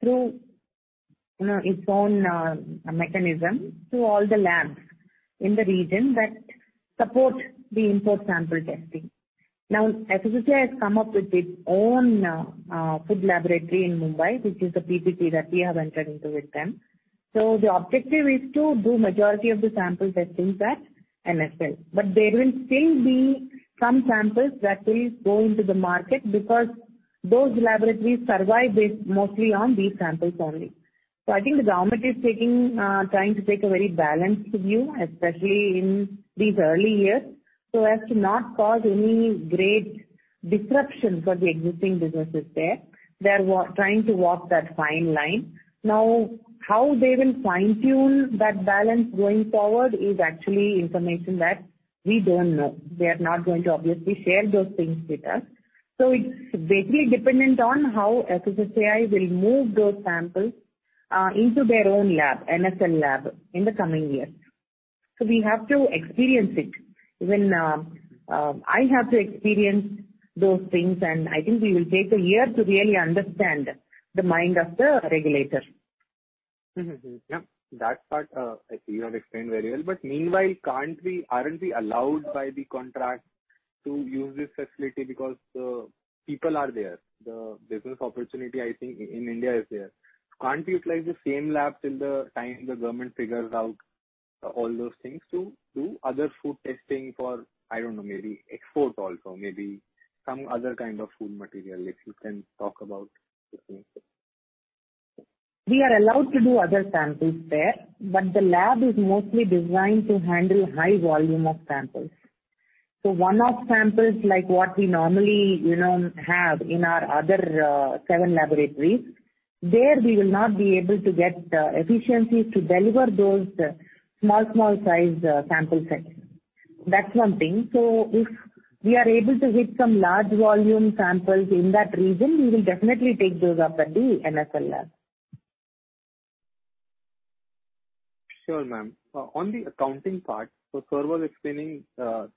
through, you know, its own mechanism to all the labs in the region that support the import sample testing. Now, FSSAI has come up with its own food laboratory in Mumbai, which is the PPP that we have entered into with them. The objective is to do majority of the sample testings at NFL. But there will still be some samples that will go into the market because those laboratories survive based mostly on these samples only. I think the government is trying to take a very balanced view, especially in these early years, so as to not cause any great disruption for the existing businesses there. They are trying to walk that fine line. Now, how they will fine-tune that balance going forward is actually information that we don't know. They are not going to obviously share those things with us. It's vaguely dependent on how FSSAI will move those samples into their own lab, NFL lab, in the coming years. We have to experience it. Even, I have to experience those things, and I think we will take a year to really understand the mind of the regulator. That part, you have explained very well. Meanwhile, aren't we allowed by the contract to use this facility because the people are there? The business opportunity, I think, in India is there. Can't we utilize the same lab till the time the government figures out all those things to do other food testing for, I don't know, maybe export also, maybe some other kind of food material, if you can talk about it, ma'am? We are allowed to do other samples there, but the lab is mostly designed to handle high volume of samples. One-off samples like what we normally, you know, have in our other seven laboratories, there we will not be able to get efficiencies to deliver those small size sample sets. That's one thing. If we are able to hit some large volume samples in that region, we will definitely take those up at the NFL lab. Sure, ma'am. On the accounting part, Sir was explaining the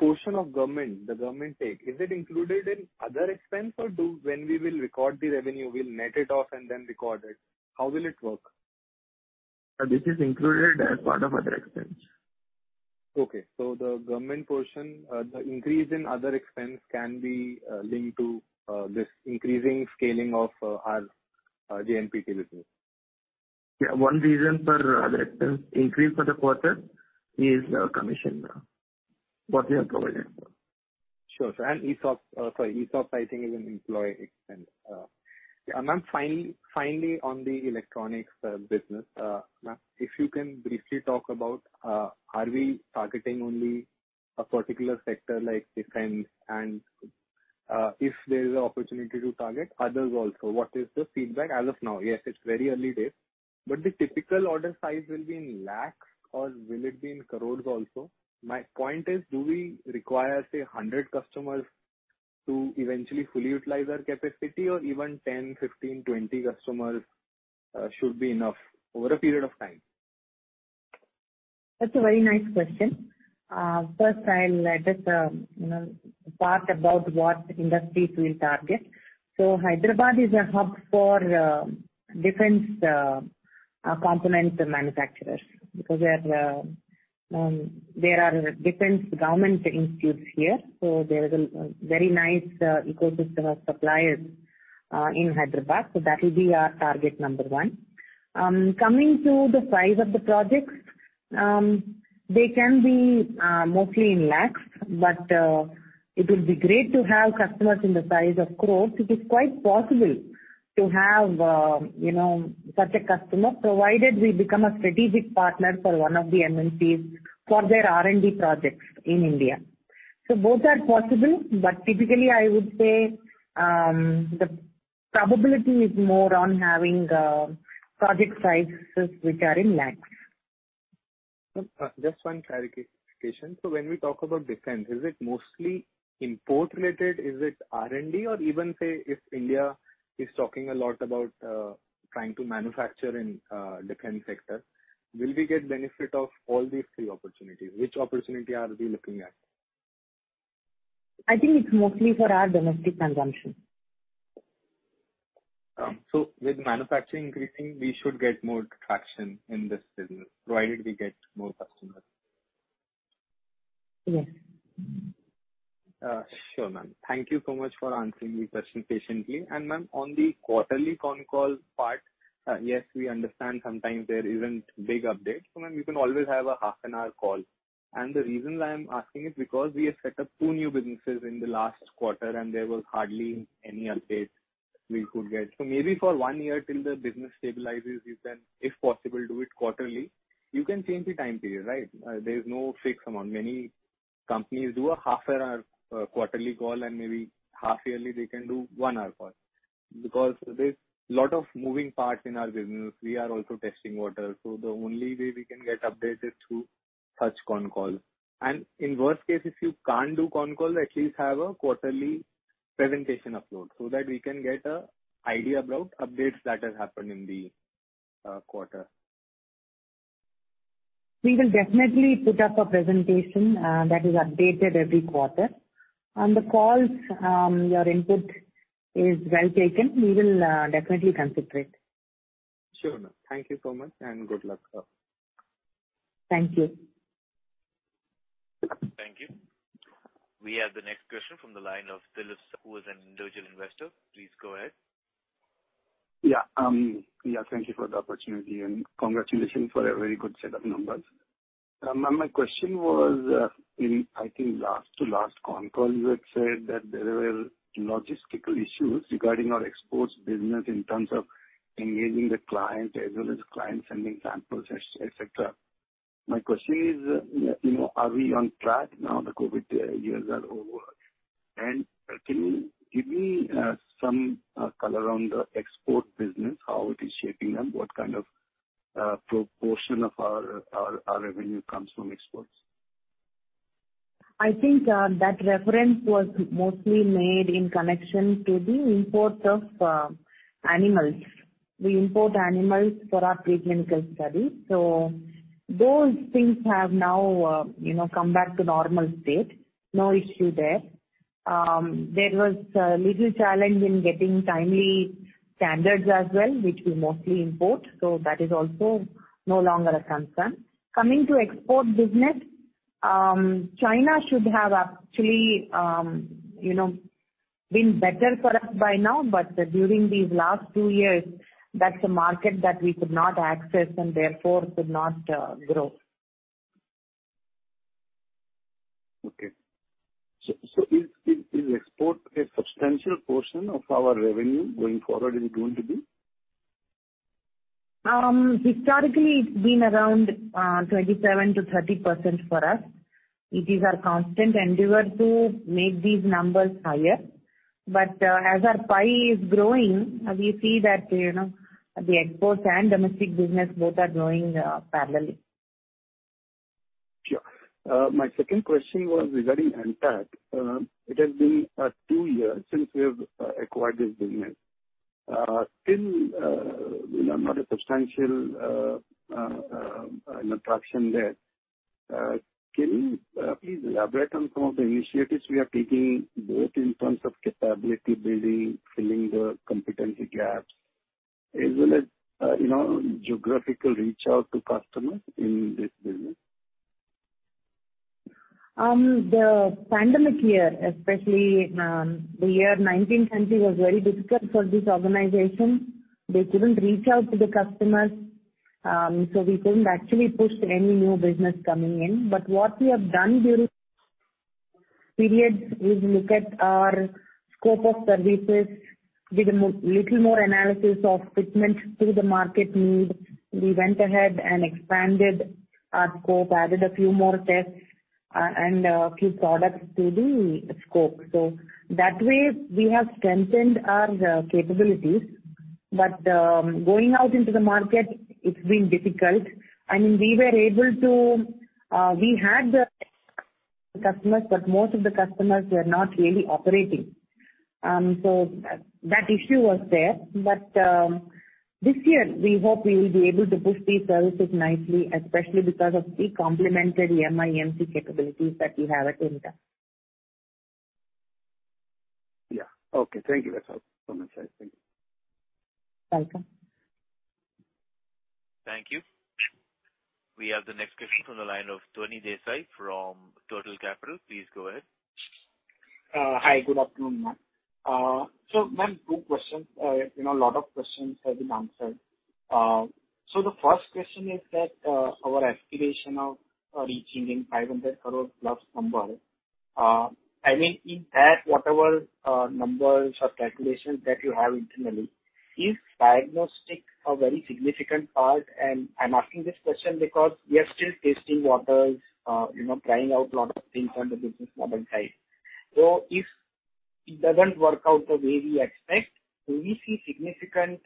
portion of government, the government take. Is it included in other expense or when we will record the revenue, we'll net it off and then record it? How will it work? This is included as part of other expense. Okay. The government portion, the increase in other expense can be linked to this increasing scaling of our JNPT business. Yeah. One reason for the expense increase for the quarter is the commission, what we have provided. Sure, sir. ESOPs, I think, is an employee expense. Yeah. Ma'am, finally on the electronics business. Ma'am, if you can briefly talk about are we targeting only a particular sector like defense? If there is an opportunity to target others also, what is the feedback as of now? Yes, it's very early days, but the typical order size will be in lakhs or will it be in crores also? My point is, do we require, say, 100 customers to eventually fully utilize our capacity or even 10, 15, 20 customers should be enough over a period of time? That's a very nice question. First I'll address you know the part about what industries we'll target. Hyderabad is a hub for defense component manufacturers because there are defense government institutes here, so there is a very nice ecosystem of suppliers in Hyderabad. That'll be our target number one. Coming to the size of the projects, they can be mostly in lakhs, but it will be great to have customers in the size of crores. It is quite possible to have you know such a customer, provided we become a strategic partner for one of the MNCs for their R&D projects in India. Both are possible, but typically I would say the probability is more on having project sizes which are in lakhs. Ma'am, just one clarification. When we talk about defense, is it mostly import related? Is it R&D or even, say, if India is talking a lot about, trying to manufacture in, defense sector, will we get benefit of all these three opportunities? Which opportunity are we looking at? I think it's mostly for our domestic consumption. With manufacturing increasing, we should get more traction in this business provided we get more customers. Yes. Sure, ma'am. Thank you so much for answering the question patiently. Ma'am, on the quarterly concall part, yes, we understand sometimes there isn't big updates. Ma'am, you can always have a half an hour call. The reason why I'm asking is because we have set up two new businesses in the last quarter, and there was hardly any update we could get. Maybe for one year till the business stabilizes, you can, if possible, do it quarterly. You can change the time period, right? There is no fixed amount. Many companies do a half an hour quarterly call, and maybe half yearly they can do one hour call. Because there's lot of moving parts in our business, we are also testing waters, so the only way we can get updated is through such concalls. In worst case, if you can't do con call, at least have a quarterly presentation upload so that we can get an idea about updates that have happened in the quarter. We will definitely put up a presentation that is updated every quarter. On the calls, your input is well taken. We will definitely consider it. Sure. Thank you so much, and good luck. Thank you. Thank you. We have the next question from the line of Phillips, who is an individual investor. Please go ahead. Yeah. Yeah, thank you for the opportunity, and congratulations for a very good set of numbers. My question was, in I think last to last con call, you had said that there were logistical issues regarding our exports business in terms of engaging the client as well as clients sending samples, et cetera. My question is, you know, are we on track now the COVID years are over? Can you give me some color on the export business, how it is shaping up, what kind of proportion of our revenue comes from exports? I think that reference was mostly made in connection to the imports of animals. We import animals for our preclinical studies, so those things have now, you know, come back to normal state. No issue there. There was a little challenge in getting timely standards as well, which we mostly import, so that is also no longer a concern. Coming to export business, China should have actually, you know, been better for us by now, but during these last two years, that's a market that we could not access and therefore could not grow. Okay. Is export a substantial portion of our revenue? Going forward, is it going to be? Historically it's been around 27%-30% for us. It is our constant endeavor to make these numbers higher. As our pie is growing, we see that, you know, the exports and domestic business both are growing parallelly. Sure. My second question was regarding EMTAC. It has been two years since we have acquired this business. Still, you know, not a substantial traction there. Can you please elaborate on some of the initiatives we are taking both in terms of capability building, filling the competency gaps as well as, you know, geographical reach out to customers in this business? The pandemic year, especially, the year 2020 was very difficult for this organization. They couldn't reach out to the customers, so we couldn't actually push any new business coming in. What we have done during period is look at our scope of services, did a little more analysis of fitment to the market need. We went ahead and expanded our scope, added a few more tests, and a few products to the scope. That way we have strengthened our capabilities. Going out into the market, it's been difficult. I mean, we were able to. We had the customers, but most of the customers were not really operating. That issue was there. This year we hope we will be able to push these services nicely, especially because of the complementary MNC capabilities that we have at Vimta. Yeah. Okay. Thank you. That's all. Thank you. Welcome. Thank you. We have the next question from the line of Tony Desai from Total Capital. Please go ahead. Hi. Good afternoon, ma'am. Ma'am, two questions. You know, a lot of questions have been answered. The first question is that, our aspiration of reaching 500 crore plus number, I mean, in that, whatever numbers or calculations that you have internally, is diagnostic a very significant part? I'm asking this question because we are still testing waters, you know, trying out lot of things on the business model side. If it doesn't work out the way we expect, will we see significant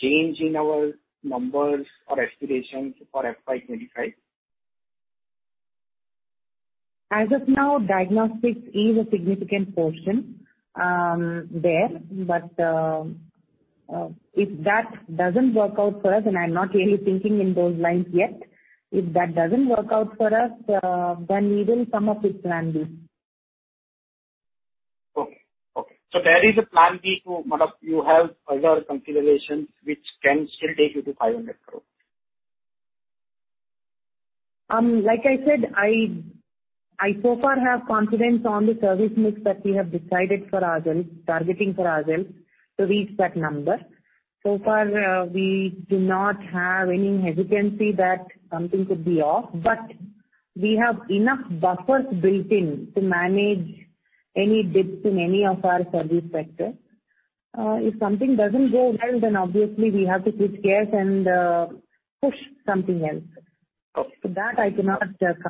change in our numbers or aspirations for FY 2025? As of now, diagnostics is a significant portion there. If that doesn't work out for us, and I'm not really thinking in those lines yet, if that doesn't work out for us, then we will come up with plan B. There is a plan B, sort of. You have other considerations which can still take you to 500 crore. Like I said, I so far have confidence on the service mix that we have decided for ourselves, targeting for ourselves to reach that number. So far, we do not have any hesitancy that something could be off, but we have enough buffers built in to manage any dips in any of our service sectors. If something doesn't go well, then obviously we have to switch gears and push something else. Okay. That I cannot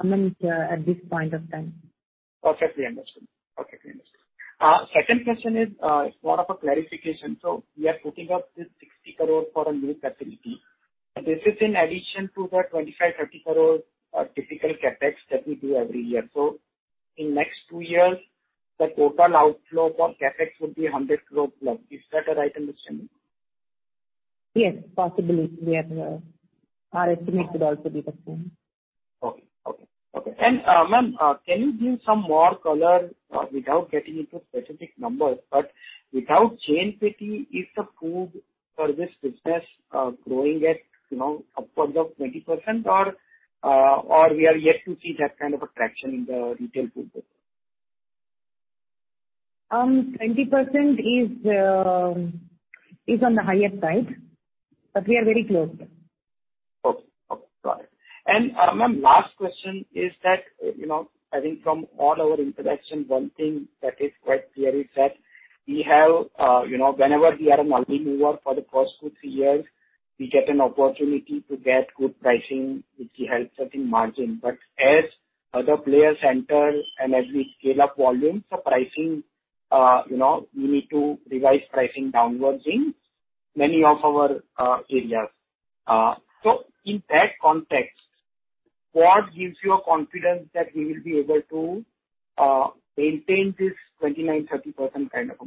comment at this point of time. Perfectly understood. Okay. Second question is, more of a clarification. We are putting up this 60 crore for a new facility. This is in addition to the 25 crore-30 crore typical CapEx that we do every year. In next two years, the total outflow for CapEx would be 100+ crore. Is that a right understanding? Yes, possibly, we have. Our estimate would also be the same. Ma'am, can you give some more color, without getting into specific numbers, but without JNPT, is the food service business growing at, you know, upwards of 20% or we are yet to see that kind of a traction in the retail food business? 20% is on the higher side, but we are very close. Okay. Got it. Ma'am, last question is that, you know, I think from all our interactions, one thing that is quite clear is that we have, you know, whenever we are a first mover for the first two, three years, we get an opportunity to get good pricing, which helps us in margin. Other players enter and as we scale up volumes, the pricing, you know, we need to revise pricing downwards in many of our areas. In that context, what gives you a confidence that we will be able to maintain this 29%-30% kind of a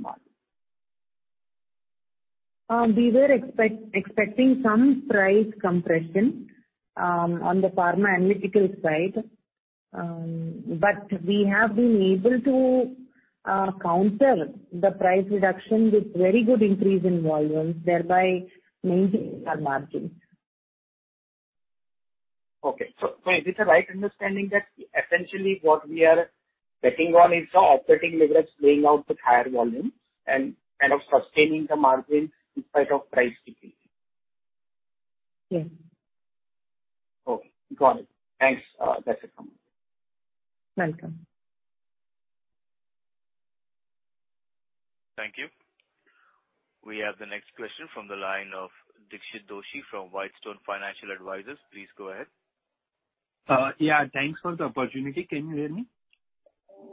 margin? We were expecting some price compression on the pharma analytical side. We have been able to counter the price reduction with very good increase in volumes, thereby maintaining our margins. Okay. Is this a right understanding that essentially what we are betting on is the operating leverage playing out with higher volumes and kind of sustaining the margin in spite of price decrease? Yes. Okay. Got it. Thanks. That's it from me. Welcome. Thank you. We have the next question from the line of Dixit Doshi from Whitestone Financial Advisors. Please go ahead. Yeah, thanks for the opportunity. Can you hear me?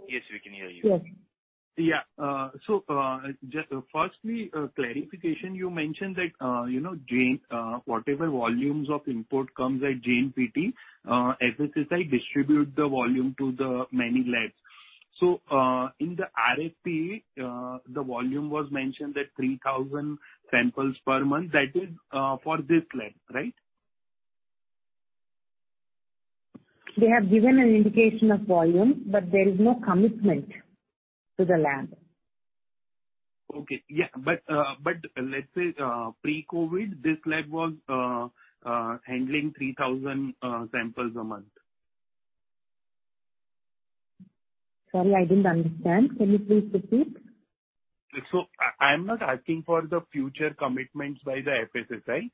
Yes, we can hear you. Yes. Just firstly, clarification, you mentioned that, you know, whatever volumes of import come at JNPT, FSSAI distribute the volume to the many labs. In the RFP, the volume was mentioned at 3,000 samples per month. That is, for this lab, right? They have given an indication of volume, but there is no commitment to the lab. Yeah, let's say pre-COVID, this lab was handling 3,000 samples a month. Sorry, I didn't understand. Can you please repeat? I'm not asking for the future commitments by the FSSAI.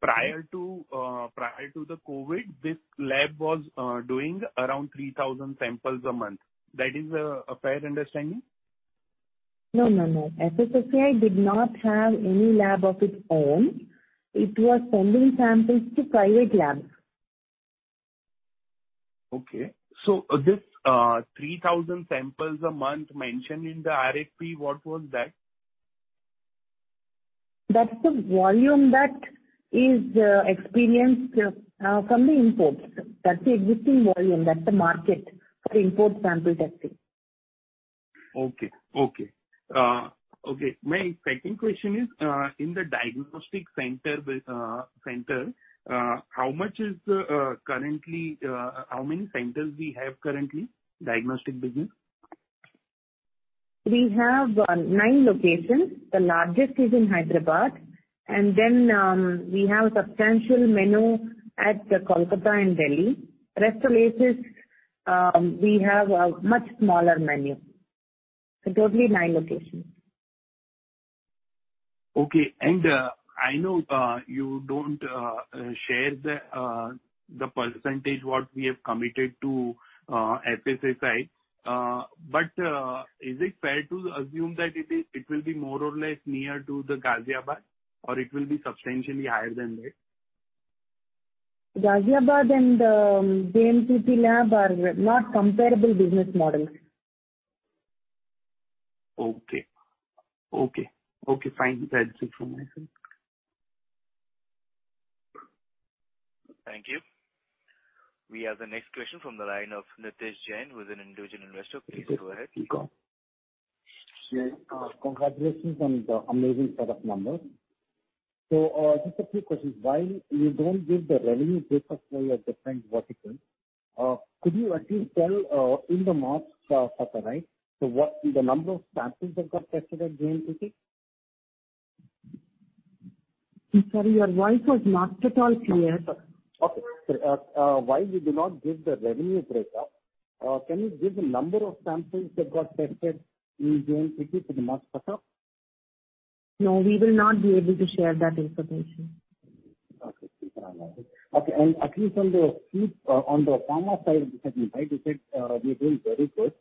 Prior to the COVID, this lab was doing around 3,000 samples a month. That is a fair understanding? No, no. FSSAI did not have any lab of its own. It was sending samples to private labs. This 3,000 samples a month mentioned in the RFP, what was that? That's the volume that is experienced from the imports. That's the existing volume. That's the market for import sample testing. Okay. My second question is, in the diagnostic center, how many centers we have currently, diagnostic business? We have nine locations. The largest is in Hyderabad. Then we have substantial menu at Kolkata and Delhi. Rest of places, we have a much smaller menu. Totally nine locations. Okay. I know you don't share the percentage what we have committed to FSSAI. Is it fair to assume that it will be more or less near to the Ghaziabad or it will be substantially higher than that? Ghaziabad and JNPT lab are not comparable business models. Okay, fine. That's it from my side. Thank you. We have the next question from the line of Nitesh Jain, who is an individual investor. Please go ahead. Go on. Yeah. Congratulations on the amazing set of numbers. Just a few questions. While you don't give the revenue breakdown of your different verticals, could you at least tell, in the March quarter, right, the number of samples that got tested at JNPT? Sorry, your voice was not at all clear. Okay. Why you do not give the revenue breakup? Can you give the number of samples that got tested in June 2022 to the March quarter? No, we will not be able to share that information. Okay. At least on the pharma side of the business, right, you said you're doing very good.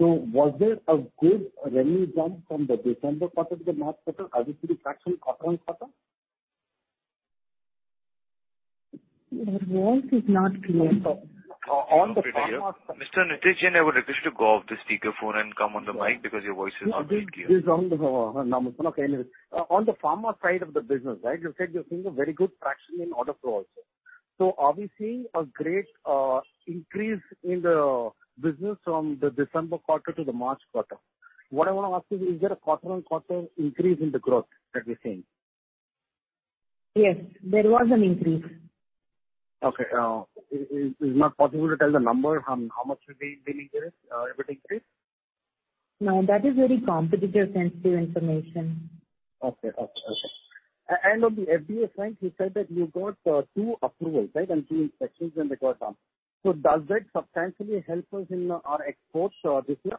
Was there a good revenue jump from the December quarter to the March quarter? Are you seeing traction quarter on quarter? Your voice is not clear, sir. On the pharma- Mr. Nitesh Jain, I would request you to go off the speakerphone and come on the mic because your voice is not very clear. It's on the normal phone. On the pharma side of the business, right, you said you're seeing a very good traction in order flow also. Are we seeing a great increase in the business from the December quarter to the March quarter? What I wanna ask is there a quarter-on-quarter increase in the growth that you're seeing? Yes, there was an increase. Okay. Is it not possible to tell the number from how much would be the increase, if it increased? No, that is very competitor sensitive information. Okay. On the FDA front, you said that you got two approvals, right, and two inspections and they got done. Does that substantially help us in our exports this year?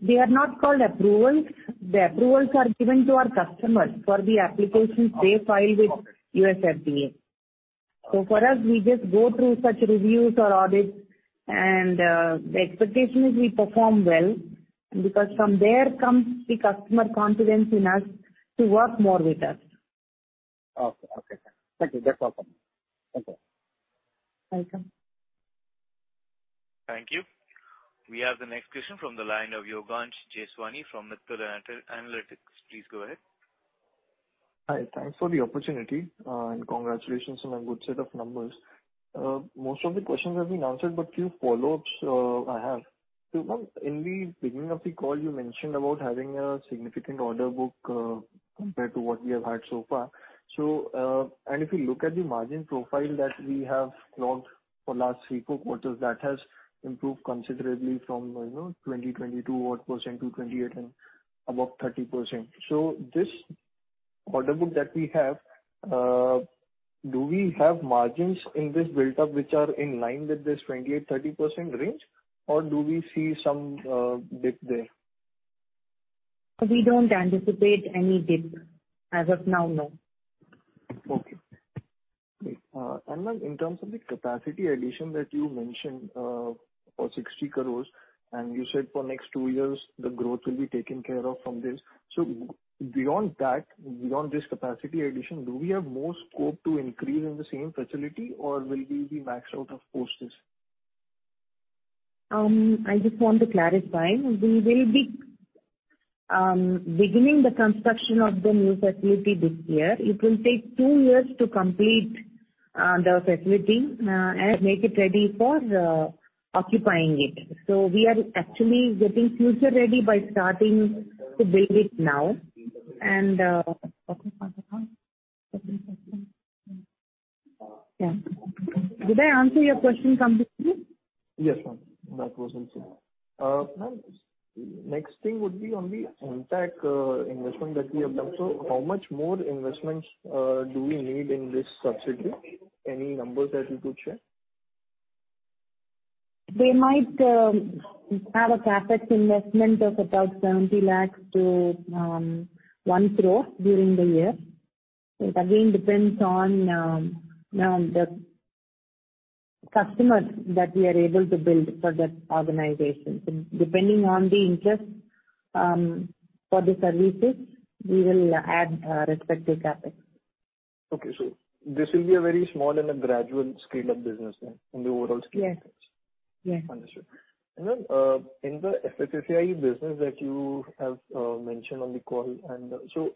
They are not called approvals. The approvals are given to our customers for the applications they file with U.S. FDA. For us, we just go through such reviews or audits and, the expectation is we perform well because from there comes the customer confidence in us to work more with us. Okay. Thank you. That's all from me. Thank you. Welcome. Thank you. We have the next question from the line of Yogansh Jeswani from Mittal Analytics. Please go ahead. Hi. Thanks for the opportunity and congratulations on a good set of numbers. Most of the questions have been answered, but few follow-ups I have. Ma'am, in the beginning of the call you mentioned about having a significant order book compared to what we have had so far. If you look at the margin profile that we have logged for last three, four quarters, that has improved considerably from, you know, 22 odd% to 28% and above 30%. This order book that we have, do we have margins in this buildup which are in line with this 28%-30% range or do we see some dip there? We don't anticipate any dip. As of now, no. Okay. Great. Ma'am, in terms of the capacity addition that you mentioned, for 60 crore, and you said for next two years the growth will be taken care of from this. So beyond that, beyond this capacity addition, do we have more scope to increase in the same facility or will we be maxed out, of course? I just want to clarify. We will be beginning the construction of the new facility this year. It will take two years to complete the facility and make it ready for occupying it. We are actually getting future ready by starting to build it now. Yeah. Did I answer your question completely? Yes, ma'am. That was answered. Ma'am, next thing would be on the EMTAC investment that we have done. How much more investments do we need in this subsidiary? Any numbers that you could share? They might have a CapEx investment of about 70 lakhs to 1 crore during the year. It again depends on the customer that we are able to build for that organization. Depending on the interest for the services we will add respective CapEx. Okay. This will be a very small and a gradual scale of business then in the overall scheme of things. Yes. Yes. Understood. In the FSSAI business that you have mentioned on the call,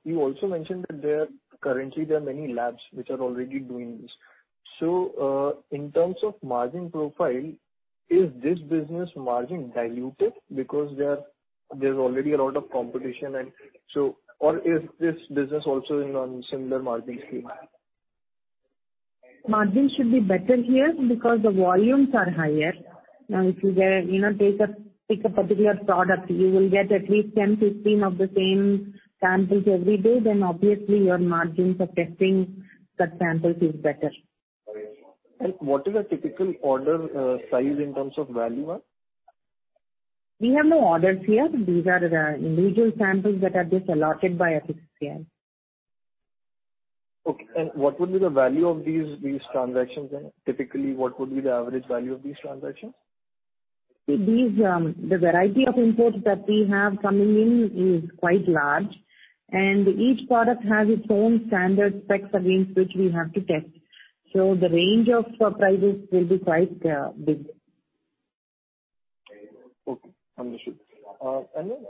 you also mentioned that there currently are many labs which are already doing this. In terms of margin profile, is this business margin diluted because there is already a lot of competition? Or is this business also on similar margin scheme? Margin should be better here because the volumes are higher. Now if you know, pick a particular product, you will get at least 10, 15 of the same samples every day. Obviously your margins of testing that sample is better. What is a typical order size in terms of value? We have no orders here. These are individual samples that are just allotted by FSSAI. Okay. What would be the value of these transactions? Typically, what would be the average value of these transactions? The variety of inputs that we have coming in is quite large, and each product has its own standard specs against which we have to test. The range of prices will be quite big. Okay. Understood.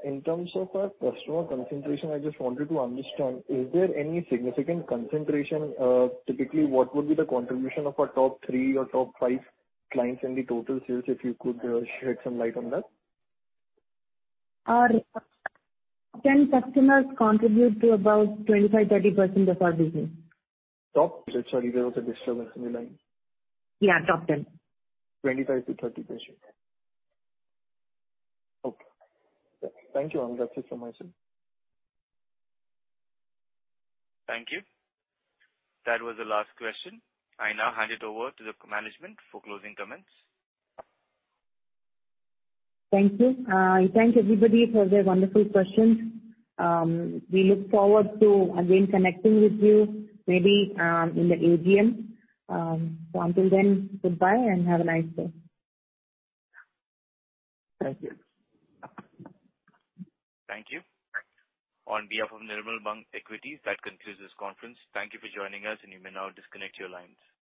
In terms of our customer concentration, I just wanted to understand, is there any significant concentration? Typically, what would be the contribution of our top three or top five clients in the total sales, if you could shed some light on that. Our 10 customers contribute to about 25%-30% of our business. Top? Sorry, there was a disturbance in the line. Yeah, top 10. 25%-30%. Okay. Thank you, ma'am. That's it from my side. Thank you. That was the last question. I now hand it over to the management for closing comments. Thank you, and thanks everybody for their wonderful questions. We look forward to again connecting with you maybe in the AGM. Until then, goodbye and have a nice day. Thank you. Thank you. On behalf of Nirmal Bang Equities, that concludes this conference. Thank you for joining us, and you may now disconnect your lines.